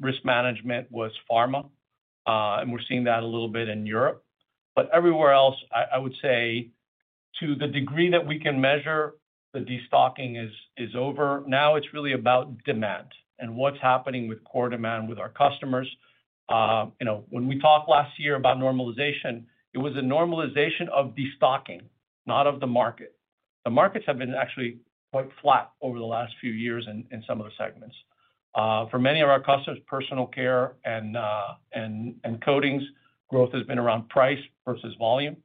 risk management was pharma. And we're seeing that a little bit in Europe. But everywhere else, I would say to the degree that we can measure the destocking is over. Now it's really about demand and what's happening with core demand with our customers. When we talked last year about normalization, it was a normalization of destocking, not of the market. The markets have been actually quite flat over the last few years in some of the segments. For many of our customers, Personal Care and coatings growth has been around price versus volume.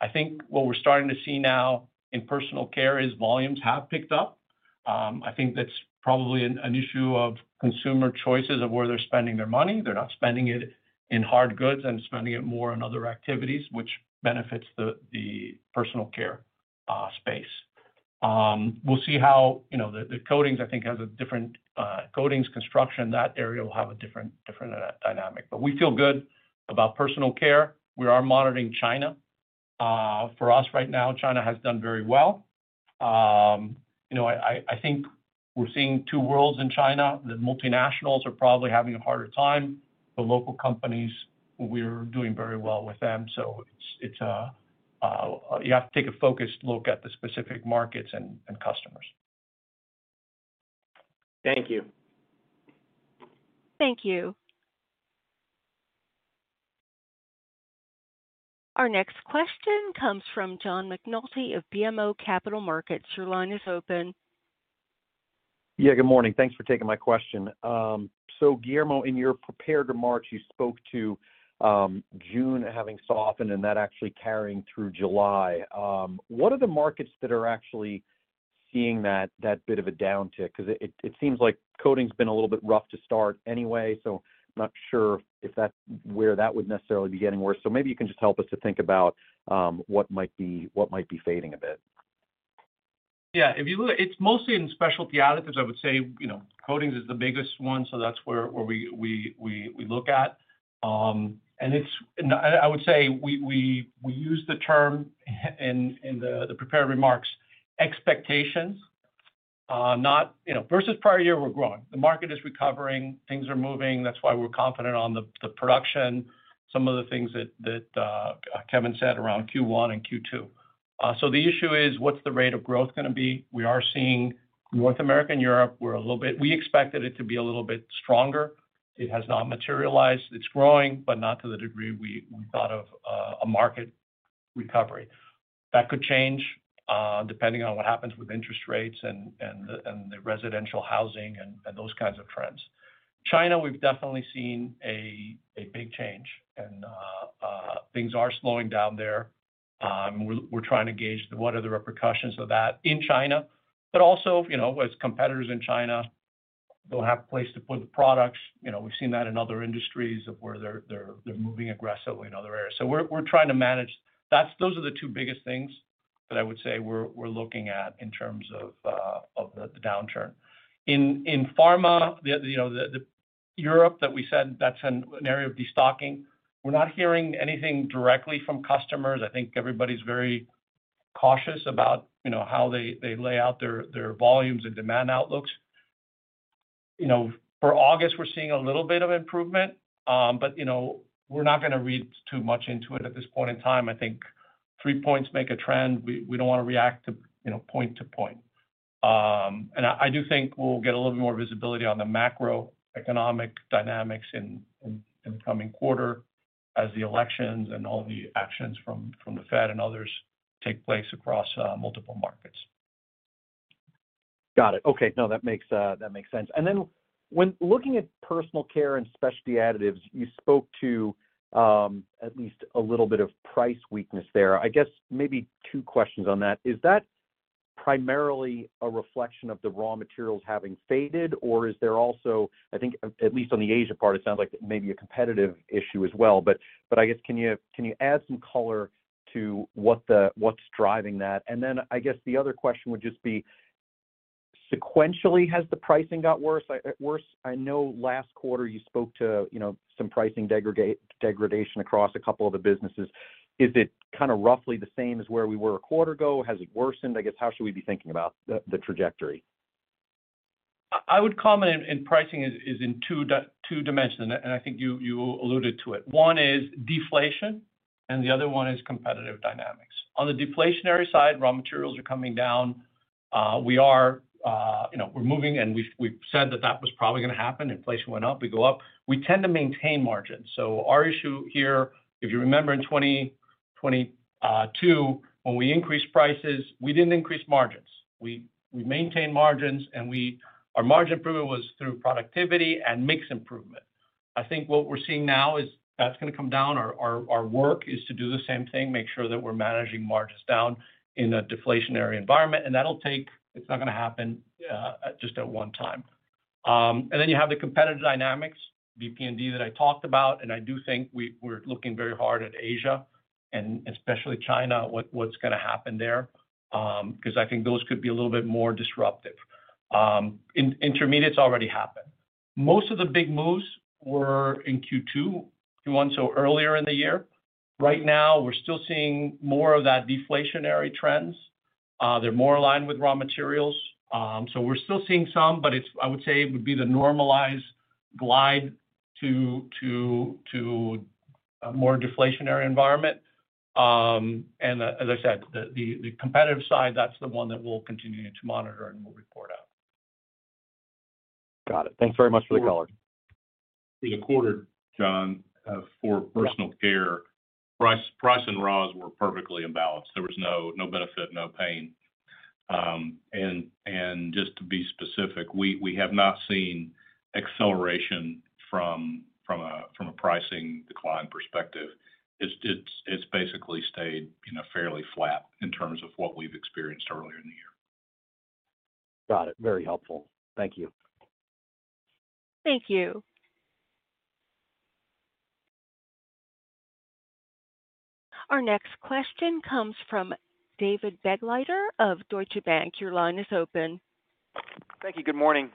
I think what we're starting to see now in Personal Care is volumes have picked up. I think that's probably an issue of consumer choices of where they're spending their money. They're not spending it in hard goods and spending it more in other activities, which benefits the Personal Care space. We'll see how the Coatings, I think, have a different coatings construction. That area will have a different dynamic. But we feel good about Personal Care. We are monitoring China. For us right now, China has done very well. I think we're seeing two worlds in China. The multinationals are probably having a harder time. The local companies, we're doing very well with them. So you have to take a focused look at the specific markets and customers. Thank you. Thank you. Our next question comes from John McNulty of BMO Capital Markets. Your line is open. Yeah, good morning. Thanks for taking my question. So Guillermo, in your prepared remarks, you spoke to June having softened and that actually carrying through July. What are the markets that are actually seeing that bit of a downtick? Because it seems like coatings have been a little bit rough to start anyway. So I'm not sure if that's where that would necessarily be getting worse. So maybe you can just help us to think about what might be fading a bit. Yeah. If you look, it's mostly in Specialty Additives. I would say Coatings is the biggest one, so that's where we look at. And I would say we use the term in the prepared remarks, expectations, not versus prior year, we're growing. The market is recovering. Things are moving. That's why we're confident on the production, some of the things that Kevin said around Q1 and Q2. So the issue is what's the rate of growth going to be? We are seeing North America and Europe. We expected it to be a little bit stronger. It has not materialized. It's growing, but not to the degree we thought of a market recovery. That could change depending on what happens with interest rates and the residential housing and those kinds of trends. China, we've definitely seen a big change, and things are slowing down there. We're trying to gauge what are the repercussions of that in China, but also as competitors in China, they'll have a place to put the products. We've seen that in other industries of where they're moving aggressively in other areas. So we're trying to manage. Those are the two biggest things that I would say we're looking at in terms of the downturn. In pharma, the Europe that we said, that's an area of destocking. We're not hearing anything directly from customers. I think everybody's very cautious about how they lay out their volumes and demand outlooks. For August, we're seeing a little bit of improvement, but we're not going to read too much into it at this point in time. I think three points make a trend. We don't want to react to point to point. I do think we'll get a little bit more visibility on the macroeconomic dynamics in the coming quarter as the elections and all the actions from the Fed and others take place across multiple markets. Got it. Okay. No, that makes sense. And then when looking at Personal Care and Specialty Additives, you spoke to at least a little bit of price weakness there. I guess maybe two questions on that. Is that primarily a reflection of the raw materials having faded, or is there also, I think, at least on the Asia part, it sounds like maybe a competitive issue as well? But I guess can you add some color to what's driving that? And then I guess the other question would just be sequentially, has the pricing got worse? I know last quarter you spoke to some pricing degradation across a couple of the businesses. Is it kind of roughly the same as where we were a quarter ago? Has it worsened? I guess how should we be thinking about the trajectory? I would comment in pricing is in two dimensions, and I think you alluded to it. One is deflation, and the other one is competitive dynamics. On the deflationary side, raw materials are coming down. We're moving, and we've said that that was probably going to happen. Inflation went up. We go up. We tend to maintain margins. So our issue here, if you remember in 2022, when we increased prices, we didn't increase margins. We maintained margins, and our margin improvement was through productivity and mix improvement. I think what we're seeing now is that's going to come down. Our work is to do the same thing, make sure that we're managing margins down in a deflationary environment. And that'll take. It's not going to happen just at one time. And then you have the competitive dynamics, VP&D that I talked about. I do think we're looking very hard at Asia and especially China, what's going to happen there because I think those could be a little bit more disruptive. Intermediates already happened. Most of the big moves were in Q2, Q1, so earlier in the year. Right now, we're still seeing more of that deflationary trends. They're more aligned with raw materials. So we're still seeing some, but I would say it would be the normalized glide to a more deflationary environment. As I said, the competitive side, that's the one that we'll continue to monitor and we'll report out. Got it. Thanks very much for the color. For the quarter, John, for Personal Care, price and ROS were perfectly imbalanced. There was no benefit, no pain. Just to be specific, we have not seen acceleration from a pricing decline perspective. It's basically stayed fairly flat in terms of what we've experienced earlier in the year. Got it. Very helpful. Thank you. Thank you. Our next question comes from David Begleiter of Deutsche Bank. Your line is open. Thank you. Good morning.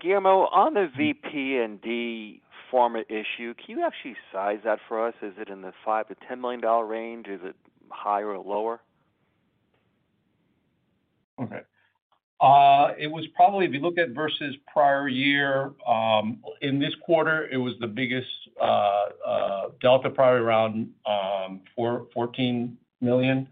Guillermo, on the VP&D pharma issue, can you actually size that for us? Is it in the $5 million-$10 million range? Is it higher or lower? Okay. It was probably, if you look at versus prior year, in this quarter, it was the biggest delta probably around $14 million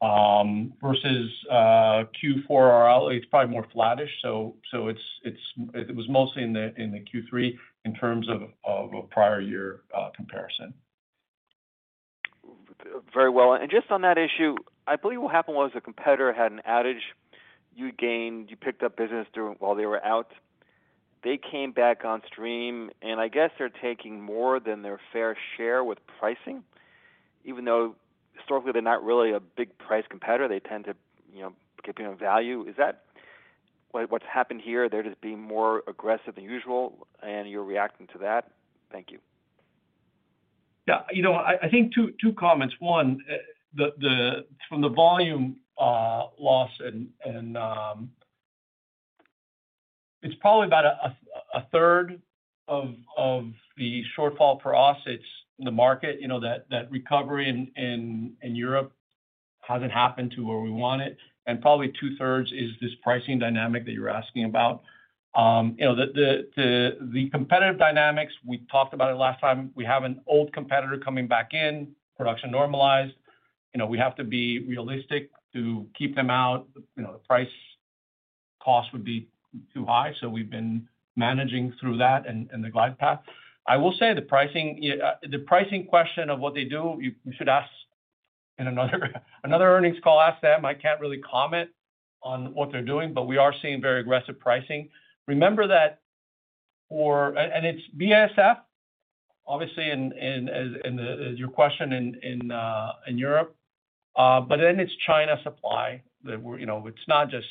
versus Q4. It's probably more flattish. So it was mostly in the Q3 in terms of a prior year comparison. Very well. And just on that issue, I believe what happened was a competitor had an outage. You picked up business while they were out. They came back on stream, and I guess they're taking more than their fair share with pricing, even though historically they're not really a big price competitor. They tend to give people value. Is that what's happened here? They're just being more aggressive than usual, and you're reacting to that? Thank you. Yeah. I think two comments. One, from the volume loss, and it's probably about a third of the shortfall for us. It's the market. That recovery in Europe hasn't happened to where we want it. And probably two-thirds is this pricing dynamic that you're asking about. The competitive dynamics, we talked about it last time. We have an old competitor coming back in, production normalized. We have to be realistic to keep them out. The price cost would be too high. So we've been managing through that and the glide path. I will say the pricing question of what they do, you should ask in another earnings call. Ask them. I can't really comment on what they're doing, but we are seeing very aggressive pricing. Remember that for, and it's BASF, obviously, as your question in Europe. But then it's China supply. It's not just,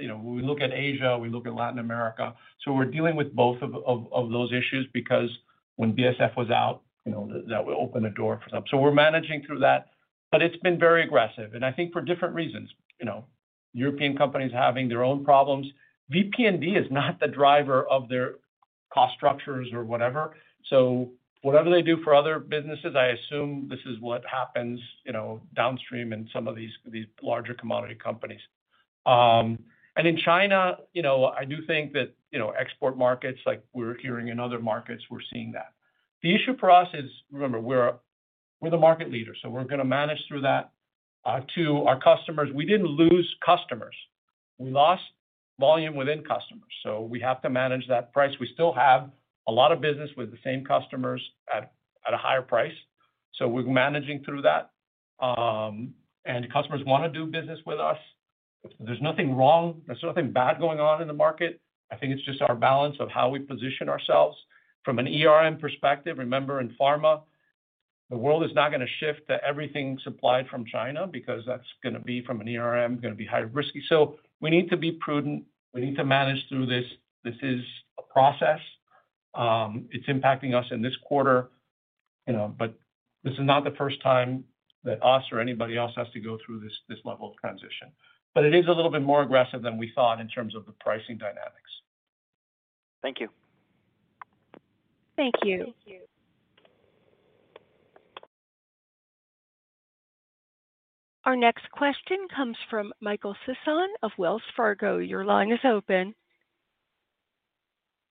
we look at Asia. We look at Latin America. So we're dealing with both of those issues because when BASF was out, that would open a door for them. So we're managing through that. But it's been very aggressive. And I think for different reasons. European companies having their own problems. VP&D is not the driver of their cost structures or whatever. So whatever they do for other businesses, I assume this is what happens downstream in some of these larger commodity companies. And in China, I do think that export markets, like we're hearing in other markets, we're seeing that. The issue for us is, remember, we're the market leader. So we're going to manage through that to our customers. We didn't lose customers. We lost volume within customers. So we have to manage that price. We still have a lot of business with the same customers at a higher price. We're managing through that. Customers want to do business with us. There's nothing wrong. There's nothing bad going on in the market. I think it's just our balance of how we position ourselves. From a perspective, remember, in pharma, the world is not going to shift to everything supplied from China because that's going to be from a going to be highly risky. We need to be prudent. We need to manage through this. This is a process. It's impacting us in this quarter. This is not the first time that us or anybody else has to go through this level of transition. It is a little bit more aggressive than we thought in terms of the pricing dynamics. Thank you. Thank you. Our next question comes from Michael Sison of Wells Fargo. Your line is open.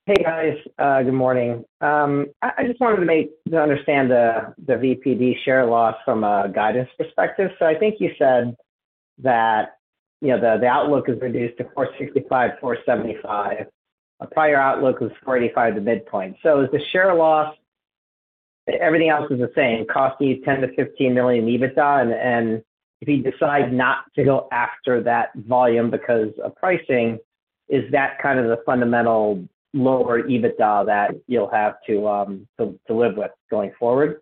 Hey, guys. Good morning. I just wanted to understand the VP&D share loss from a guidance perspective. So I think you said that the outlook is reduced to $465 million-$475 million. A prior outlook was $485 at the midpoint. So is the share loss (everything else is the same) costing you $10 million-$15 million EBITDA? And if you decide not to go after that volume because of pricing, is that kind of the fundamental lower EBITDA that you'll have to live with going forward?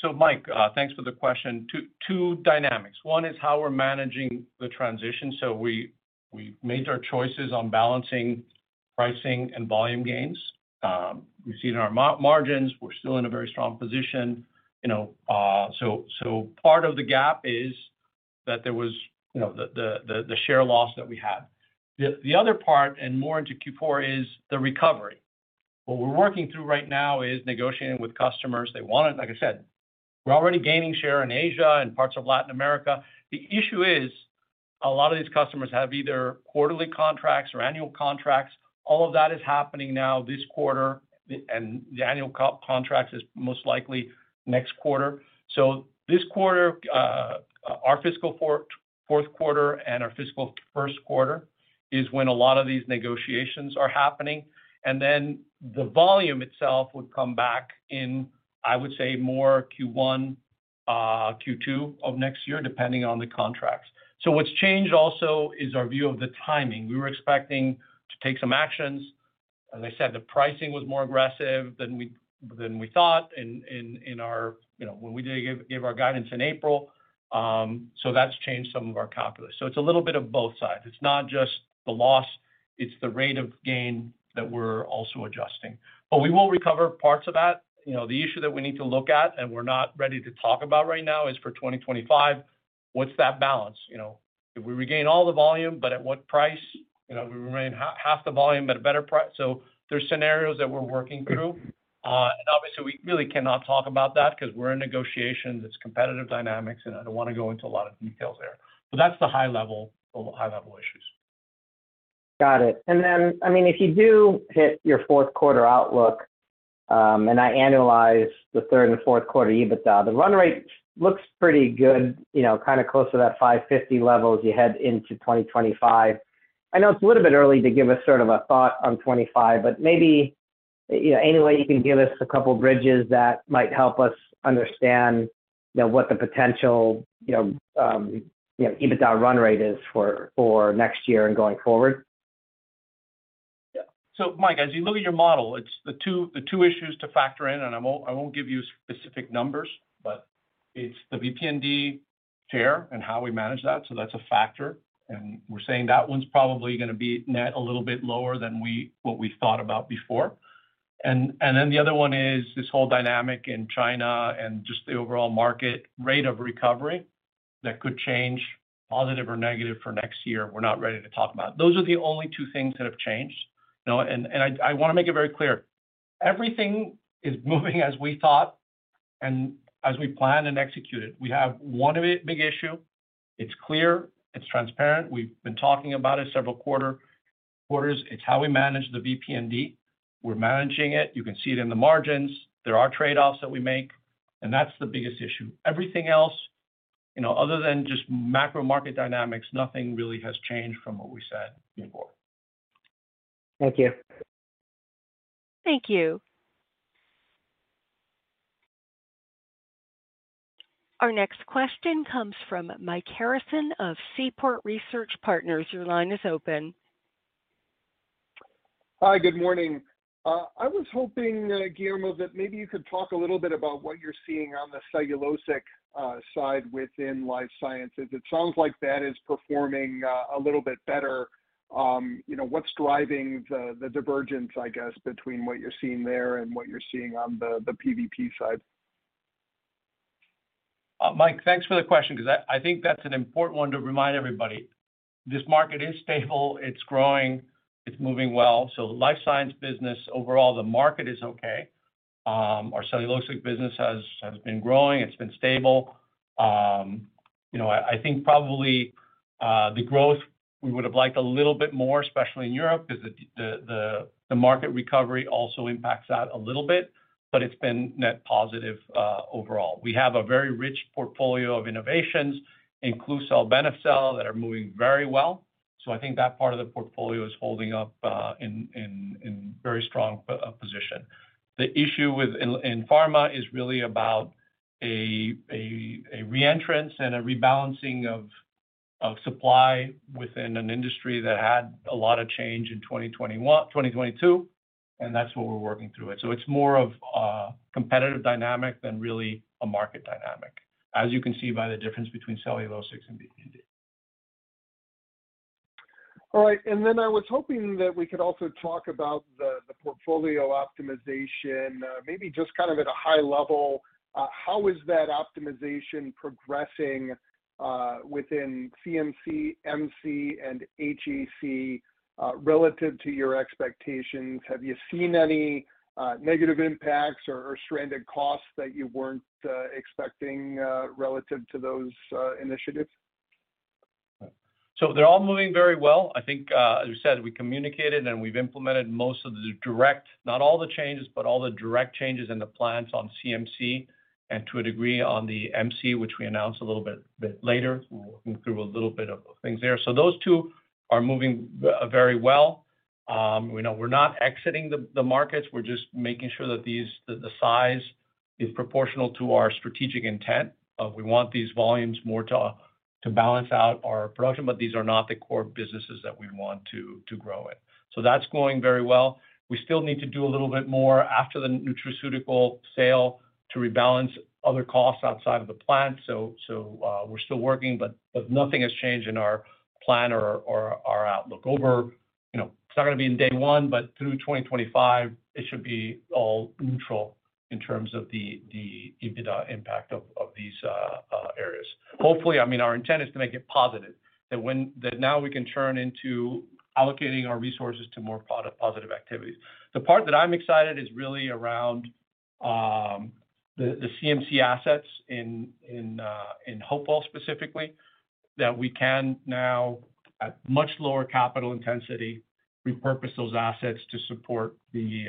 So Mike, thanks for the question. Two dynamics. One is how we're managing the transition. So we've made our choices on balancing pricing and volume gains. We've seen our margins. We're still in a very strong position. So part of the gap is that there was the share loss that we had. The other part, and more into Q4, is the recovery. What we're working through right now is negotiating with customers. They want it. Like I said, we're already gaining share in Asia and parts of Latin America. The issue is a lot of these customers have either quarterly contracts or annual contracts. All of that is happening now this quarter, and the annual contract is most likely next quarter. So this quarter, our fiscal fourth quarter and our fiscal first quarter is when a lot of these negotiations are happening. And then the volume itself would come back in, I would say, more Q1, Q2 of next year, depending on the contracts. So what's changed also is our view of the timing. We were expecting to take some actions. As I said, the pricing was more aggressive than we thought when we did give our guidance in April. So that's changed some of our calculus. So it's a little bit of both sides. It's not just the loss. It's the rate of gain that we're also adjusting. But we will recover parts of that. The issue that we need to look at and we're not ready to talk about right now is for 2025. What's that balance? If we regain all the volume, but at what price? If we remain half the volume at a better price? So there's scenarios that we're working through. Obviously, we really cannot talk about that because we're in negotiations. It's competitive dynamics, and I don't want to go into a lot of details there. That's the high-level issues. Got it. And then, I mean, if you do hit your fourth quarter outlook, and I annualize the third and fourth quarter EBITDA, the run rate looks pretty good, kind of close to that $550 level as you head into 2025. I know it's a little bit early to give us sort of a thought on 2025, but maybe any way you can give us a couple of bridges that might help us understand what the potential EBITDA run rate is for next year and going forward. Yeah. So Mike, as you look at your model, it's the two issues to factor in. And I won't give you specific numbers, but it's the VP&D share and how we manage that. So that's a factor. And we're saying that one's probably going to be net a little bit lower than what we thought about before. And then the other one is this whole dynamic in China and just the overall market rate of recovery that could change positive or negative for next year. We're not ready to talk about. Those are the only two things that have changed. And I want to make it very clear. Everything is moving as we thought and as we planned and executed. We have one big issue. It's clear. It's transparent. We've been talking about it several quarters. It's how we manage the VP&D. We're managing it. You can see it in the margins. There are trade-offs that we make. That's the biggest issue. Everything else, other than just macro market dynamics, nothing really has changed from what we said before. Thank you. Thank you. Our next question comes from Mike Harrison of Seaport Research Partners. Your line is open. Hi, good morning. I was hoping, Guillermo, that maybe you could talk a little bit about what you're seeing on the cellulosic side within life sciences. It sounds like that is performing a little bit better. What's driving the divergence, I guess, between what you're seeing there and what you're seeing on the PVP side? Mike, thanks for the question because I think that's an important one to remind everybody. This market is stable. It's growing. It's moving well. So Life Sciences business overall, the market is okay. Our cellulosic business has been growing. It's been stable. I think probably the growth we would have liked a little bit more, especially in Europe, because the market recovery also impacts that a little bit. But it's been net positive overall. We have a very rich portfolio of innovations, in Klucel, Benecel, that are moving very well. So I think that part of the portfolio is holding up in very strong position. The issue in pharma is really about a re-entrance and a rebalancing of supply within an industry that had a lot of change in 2022. That's what we're working through. So it's more of a competitive dynamic than really a market dynamic, as you can see by the difference between cellulosics and VP&D. All right. And then I was hoping that we could also talk about the portfolio optimization, maybe just kind of at a high level. How is that optimization progressing within CMC, MC, and HEC relative to your expectations? Have you seen any negative impacts or stranded costs that you weren't expecting relative to those initiatives? So they're all moving very well. I think, as I said, we communicated, and we've implemented most of the direct, not all the changes, but all the direct changes in the plants on CMC and to a degree on the MC, which we announced a little bit later. We're working through a little bit of things there. So those two are moving very well. We're not exiting the markets. We're just making sure that the size is proportional to our strategic intent. We want these volumes more to balance out our production, but these are not the core businesses that we want to grow in. So that's going very well. We still need to do a little bit more after the nutraceutical sale to rebalance other costs outside of the plant. So we're still working, but nothing has changed in our plan or our outlook. It's not going to be in day one, but through 2025, it should be all neutral in terms of the EBITDA impact of these areas. Hopefully, I mean, our intent is to make it positive, that now we can turn into allocating our resources to more positive activities. The part that I'm excited is really around the CMC assets in Hopewell specifically, that we can now, at much lower capital intensity, repurpose those assets to support the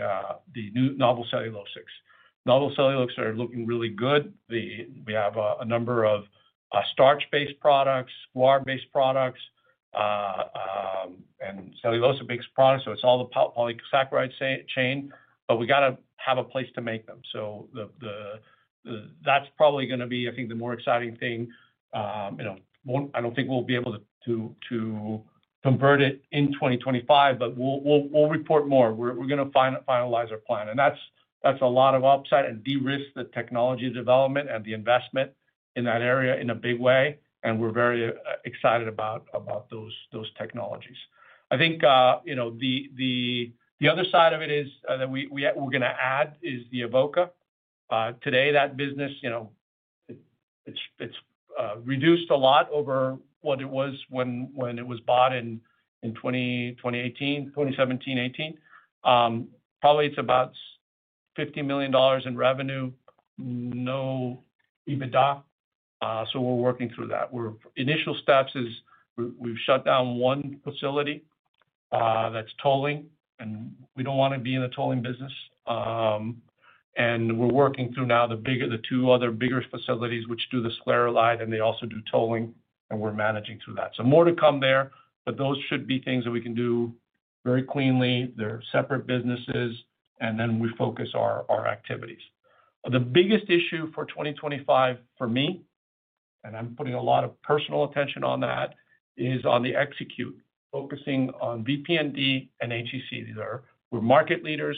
novel cellulosics. Novel cellulosics are looking really good. We have a number of starch-based products, guar-based products, and cellulosic-based products. So it's all the polysaccharide chain. But we got to have a place to make them. So that's probably going to be, I think, the more exciting thing. I don't think we'll be able to convert it in 2025, but we'll report more. We're going to finalize our plan. And that's a lot of upside and de-risk the technology development and the investment in that area in a big way. And we're very excited about those technologies. I think the other side of it is that we're going to add is the Avoca. Today, that business, it's reduced a lot over what it was when it was bought in 2017, 2018. Probably it's about $50 million in revenue, no EBITDA. So we're working through that. Initial steps is we've shut down 1 facility that's tolling, and we don't want to be in the tolling business. And we're working through now the 2 other bigger facilities, which do the sclareolide, and they also do tolling, and we're managing through that. So more to come there, but those should be things that we can do very cleanly. They're separate businesses, and then we focus our activities. The biggest issue for 2025 for me, and I'm putting a lot of personal attention on that, is on the execution, focusing on VP&D and HEC. We're market leaders.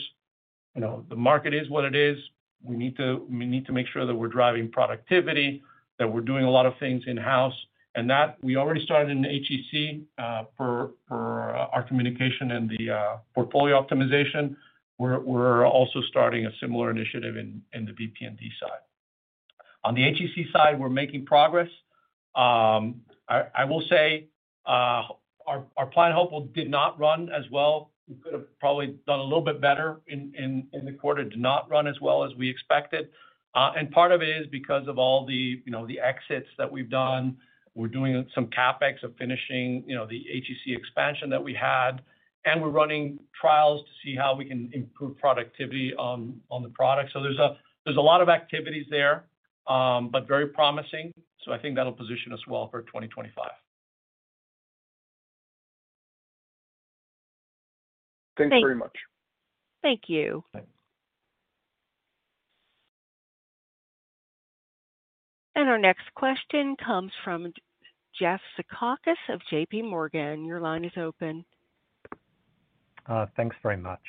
The market is what it is. We need to make sure that we're driving productivity, that we're doing a lot of things in-house. And that we already started in HEC for our combination and the portfolio optimization. We're also starting a similar initiative in the VP&D side. On the HEC side, we're making progress. I will say our plant, Hopewell, did not run as well. We could have probably done a little bit better in the quarter. It did not run as well as we expected. And part of it is because of all the exits that we've done. We're doing some CapEx on finishing the HEC expansion that we had. We're running trials to see how we can improve productivity on the product. There's a lot of activities there, but very promising. I think that'll position us well for 2025. Thanks very much. Thank you. Our next question comes from Jeff Zekauskas of J.P. Morgan. Your line is open. Thanks very much.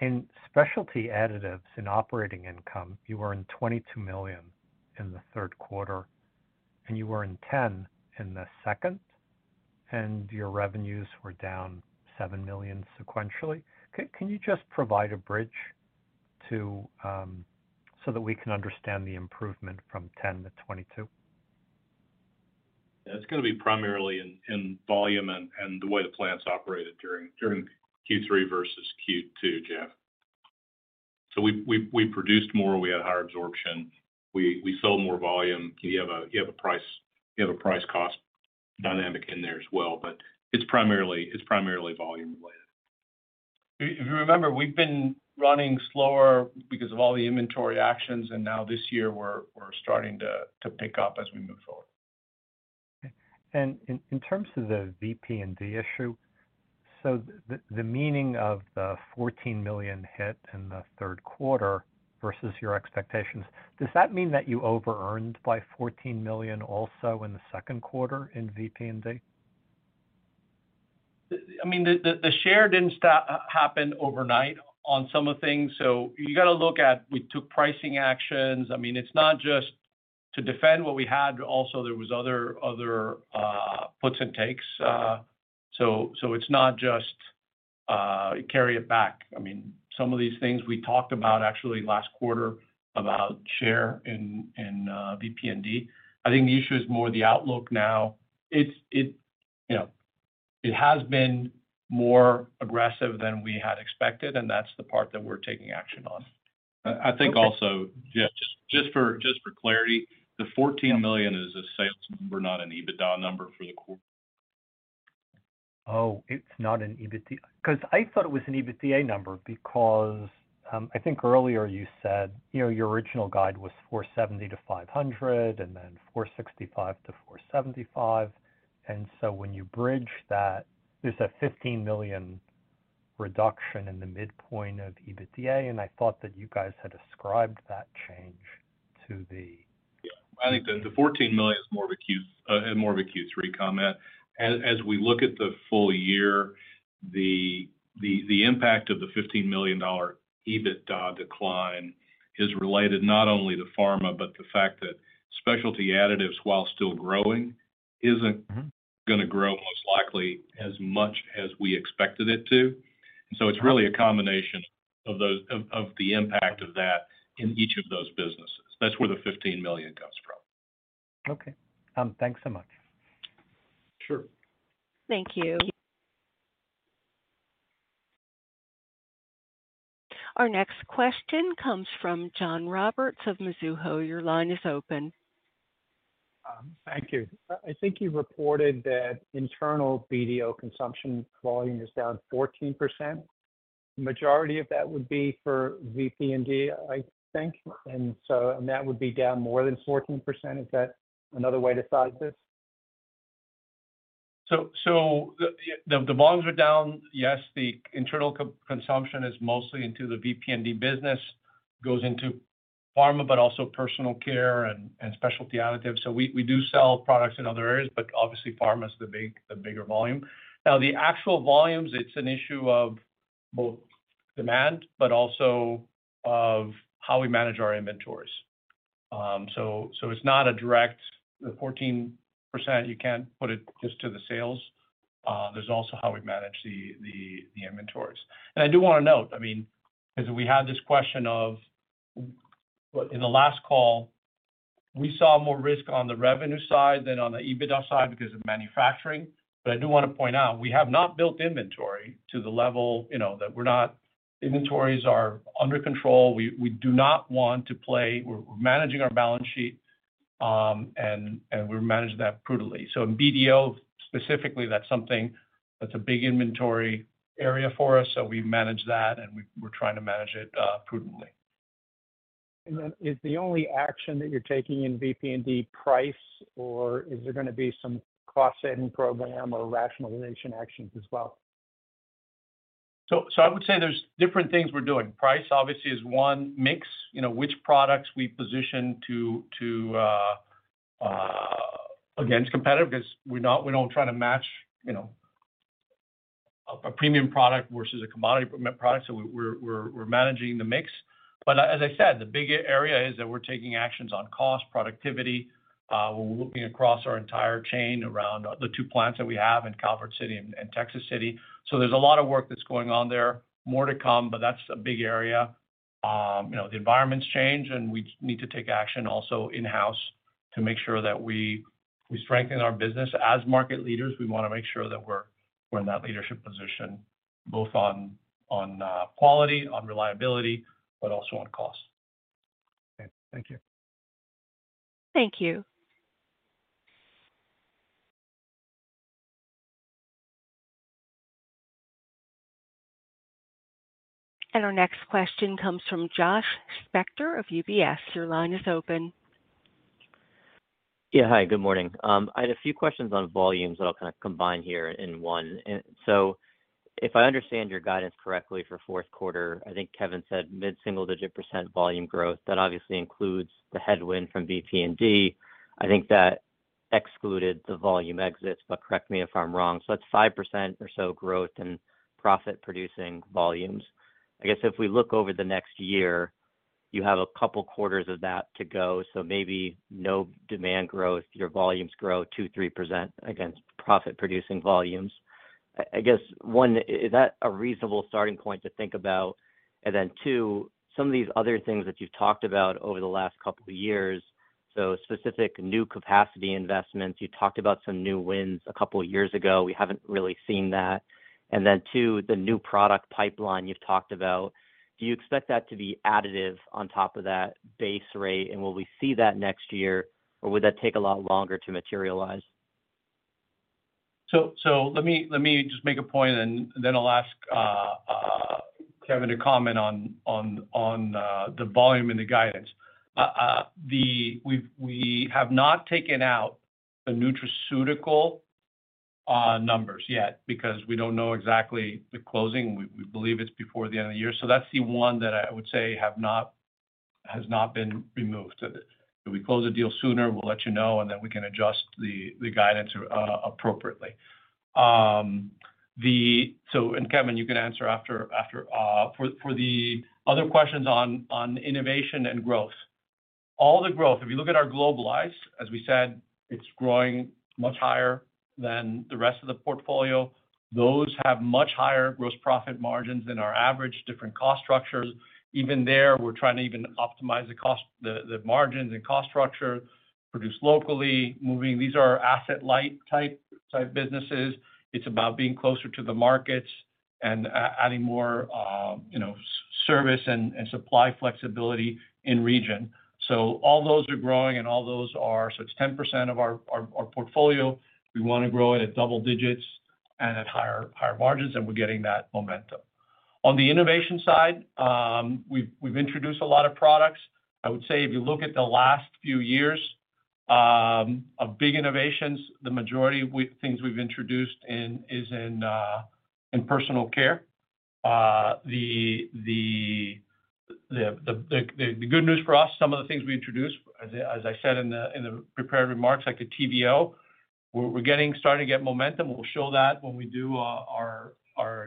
In Specialty Additives and operating income, you were at $22 million in the third quarter, and you were at $10 million in the second, and your revenues were down $7 million sequentially. Can you just provide a bridge so that we can understand the improvement from $10 million to $22 million? It's going to be primarily in volume and the way the plants operated during Q3 versus Q2, Jeff. So we produced more. We had higher absorption. We sold more volume. You have a price-cost dynamic in there as well, but it's primarily volume-related. If you remember, we've been running slower because of all the inventory actions. And now this year, we're starting to pick up as we move forward. And in terms of the VP&D issue, so the meaning of the $14 million hit in the third quarter versus your expectations, does that mean that you over-earned by $14 million also in the second quarter in VP&D? I mean, the share didn't happen overnight on some of the things. So you got to look at we took pricing actions. I mean, it's not just to defend what we had, but also there were other puts and takes. So it's not just carry it back. I mean, some of these things we talked about actually last quarter about share in VP&D. I think the issue is more the outlook now. It has been more aggressive than we had expected, and that's the part that we're taking action on. I think also, just for clarity, the $14 million is a sales number, not an EBITDA number for the quarter. Oh, it's not an EBITDA because I thought it was an EBITDA number because I think earlier you said your original guide was $470 million-$500 million and then $465 million-$475 million. And so when you bridge that, there's a $15 million reduction in the midpoint of EBITDA. And I thought that you guys had ascribed that change to the. Yeah. I think the $14 million is more of a Q3 comment. As we look at the full year, the impact of the $15 million EBITDA decline is related not only to pharma, but the fact that Specialty Additives, while still growing, isn't going to grow most likely as much as we expected it to. And so it's really a combination of the impact of that in each of those businesses. That's where the $15 million comes from. Okay. Thanks so much. Sure. Thank you. Our next question comes from John Roberts of Mizuho. Your line is open. Thank you. I think you reported that internal BDO consumption volume is down 14%. The majority of that would be for VP&D, I think. That would be down more than 14%. Is that another way to size this? So the volumes are down. Yes, the internal consumption is mostly into the VP&D business, goes into pharma, but also Personal Care and Specialty Additives. So we do sell products in other areas, but obviously, pharma is the bigger volume. Now, the actual volumes, it's an issue of both demand, but also of how we manage our inventories. So it's not a direct 14%. You can't put it just to the sales. There's also how we manage the inventories. And I do want to note, I mean, because we had this question of in the last call, we saw more risk on the revenue side than on the EBITDA side because of manufacturing. But I do want to point out, we have not built inventory to the level that we're not inventories are under control. We do not want to play. We're managing our balance sheet, and we're managing that prudently. So in BDO specifically, that's something that's a big inventory area for us. So we manage that, and we're trying to manage it prudently. Then is the only action that you're taking in VP&D pricing, or is there going to be some cost-cutting program or rationalization actions as well? So I would say there's different things we're doing. Price, obviously, is one. Mix, which products we position against competitive, because we're not trying to match a premium product versus a commodity product. So we're managing the mix. But as I said, the big area is that we're taking actions on cost, productivity. We're looking across our entire chain around the two plants that we have in Calvert City and Texas City. So there's a lot of work that's going on there, more to come, but that's a big area. The environment's changed, and we need to take action also in-house to make sure that we strengthen our business. As market leaders, we want to make sure that we're in that leadership position, both on quality, on reliability, but also on cost. Thank you. Thank you. And our next question comes from Josh Spector of UBS. Your line is open. Yeah. Hi. Good morning. I had a few questions on volumes that I'll kind of combine here in one. So if I understand your guidance correctly for fourth quarter, I think Kevin said mid-single-digit percent volume growth. That obviously includes the headwind from VP&D. I think that excluded the volume exits, but correct me if I'm wrong. So that's 5% or so growth in profit-producing volumes. I guess if we look over the next year, you have a couple of quarters of that to go. So maybe no demand growth. Your volumes grow 2%, 3% against profit-producing volumes. I guess, one, is that a reasonable starting point to think about? And then two, some of these other things that you've talked about over the last couple of years, so specific new capacity investments. You talked about some new wins a couple of years ago. We haven't really seen that. And then two, the new product pipeline you've talked about. Do you expect that to be additive on top of that base rate? And will we see that next year, or would that take a lot longer to materialize? So let me just make a point, and then I'll ask Kevin to comment on the volume and the guidance. We have not taken out the nutraceutical numbers yet because we don't know exactly the closing. We believe it's before the end of the year. So that's the one that I would say has not been removed. If we close a deal sooner, we'll let you know, and then we can adjust the guidance appropriately. And Kevin, you can answer after. For the other questions on innovation and growth, all the growth, if you look at our globalized, as we said, it's growing much higher than the rest of the portfolio. Those have much higher gross profit margins than our average different cost structures. Even there, we're trying to even optimize the margins and cost structure, produce locally. These are asset-light type businesses. It's about being closer to the markets and adding more service and supply flexibility in region. So all those are growing, and all those are, so it's 10% of our portfolio. We want to grow it at double digits and at higher margins, and we're getting that momentum. On the innovation side, we've introduced a lot of products. I would say if you look at the last few years of big innovations, the majority of things we've introduced is in Personal Care. The good news for us, some of the things we introduced, as I said in the prepared remarks, like the TVO, we're starting to get momentum. We'll show that when we do our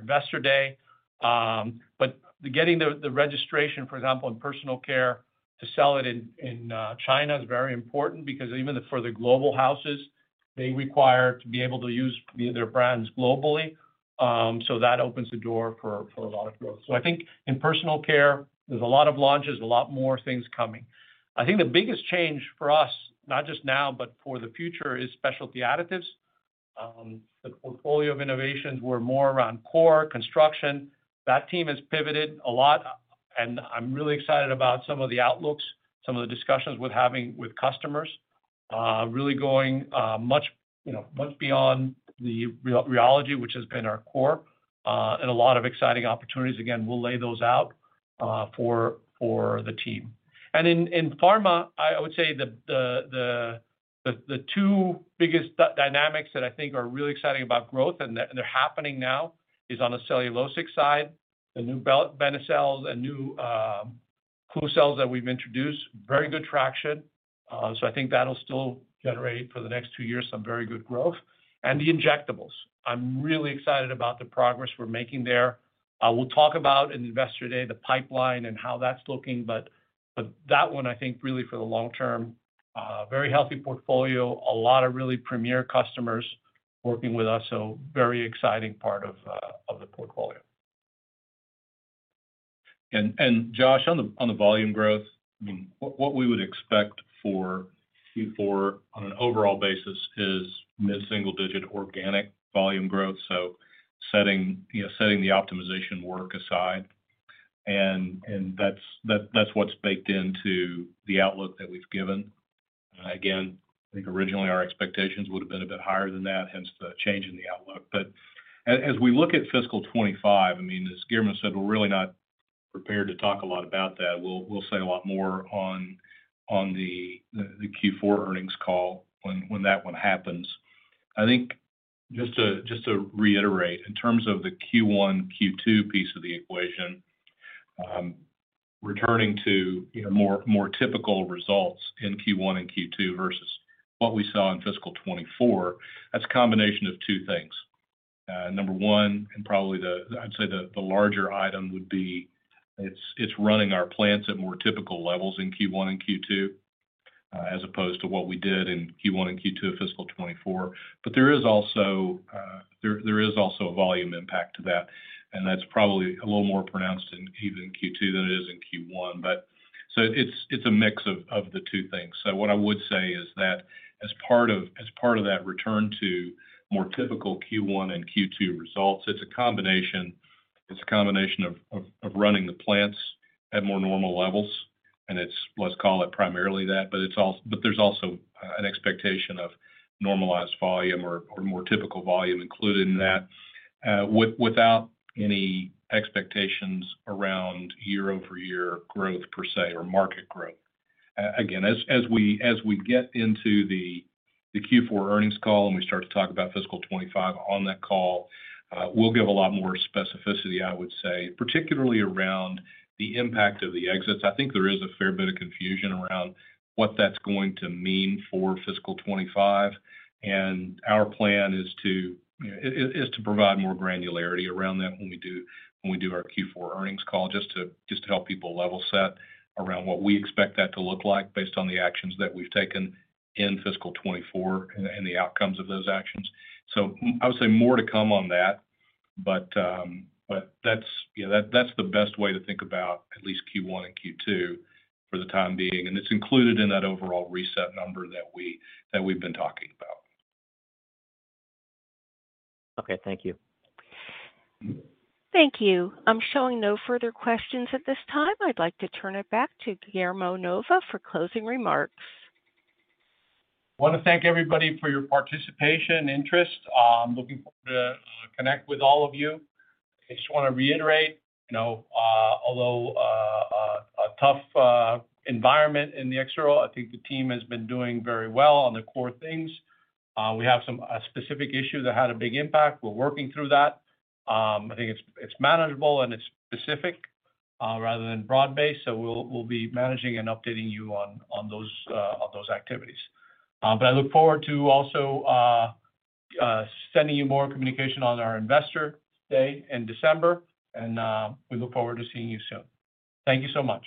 Investor Day. But getting the registration, for example, in Personal Care to sell it in China is very important because even for the global houses, they require to be able to use their brands globally. So that opens the door for a lot of growth. So I think in Personal Care, there's a lot of launches, a lot more things coming. I think the biggest change for us, not just now, but for the future, is Specialty Additives. The portfolio of innovations, we're more around core, construction. That team has pivoted a lot, and I'm really excited about some of the outlooks, some of the discussions with customers, really going much beyond the rheology, which has been our core, and a lot of exciting opportunities. Again, we'll lay those out for the team. And in pharma, I would say the two biggest dynamics that I think are really exciting about growth, and they're happening now, is on the cellulosic side, the new Benecel and new Klucel that we've introduced, very good traction. So I think that'll still generate for the next two years some very good growth. And the Injectables. I'm really excited about the progress we're making there. We'll talk about in Investor Day the pipeline and how that's looking. But that one, I think, really for the long term, very healthy portfolio, a lot of really premier customers working with us, so very exciting part of the portfolio. And Josh, on the volume growth, I mean, what we would expect for Q4 on an overall basis is mid-single-digit organic volume growth. So setting the optimization work aside. And that's what's baked into the outlook that we've given. Again, I think originally our expectations would have been a bit higher than that, hence the change in the outlook. But as we look at fiscal 2025, I mean, as Guillermo said, we're really not prepared to talk a lot about that. We'll say a lot more on the Q4 earnings call when that one happens. I think just to reiterate, in terms of the Q1, Q2 piece of the equation, returning to more typical results in Q1 and Q2 versus what we saw in fiscal 2024, that's a combination of two things. Number one, and probably I'd say the larger item would be it's running our plants at more typical levels in Q1 and Q2 as opposed to what we did in Q1 and Q2 of fiscal 2024. But there is also a volume impact to that. And that's probably a little more pronounced in even Q2 than it is in Q1. So it's a mix of the two things. So what I would say is that as part of that return to more typical Q1 and Q2 results, it's a combination of running the plants at more normal levels. Let's call it primarily that, but there's also an expectation of normalized volume or more typical volume included in that without any expectations around year-over-year growth per se or market growth. Again, as we get into the Q4 earnings call and we start to talk about fiscal 2025 on that call, we'll give a lot more specificity, I would say, particularly around the impact of the exits. I think there is a fair bit of confusion around what that's going to mean for fiscal 2025. Our plan is to provide more granularity around that when we do our Q4 earnings call just to help people level set around what we expect that to look like based on the actions that we've taken in fiscal 2024 and the outcomes of those actions. I would say more to come on that. But that's the best way to think about at least Q1 and Q2 for the time being. And it's included in that overall reset number that we've been talking about. Okay. Thank you. Thank you. I'm showing no further questions at this time. I'd like to turn it back to Guillermo Novo for closing remarks. I want to thank everybody for your participation and interest. I'm looking forward to connecting with all of you. I just want to reiterate, although a tough environment in the external, I think the team has been doing very well on the core things. We have some specific issues that had a big impact. We're working through that. I think it's manageable and it's specific rather than broad-based. So we'll be managing and updating you on those activities. I look forward to also sending you more communication on our Investor Day in December. We look forward to seeing you soon. Thank you so much.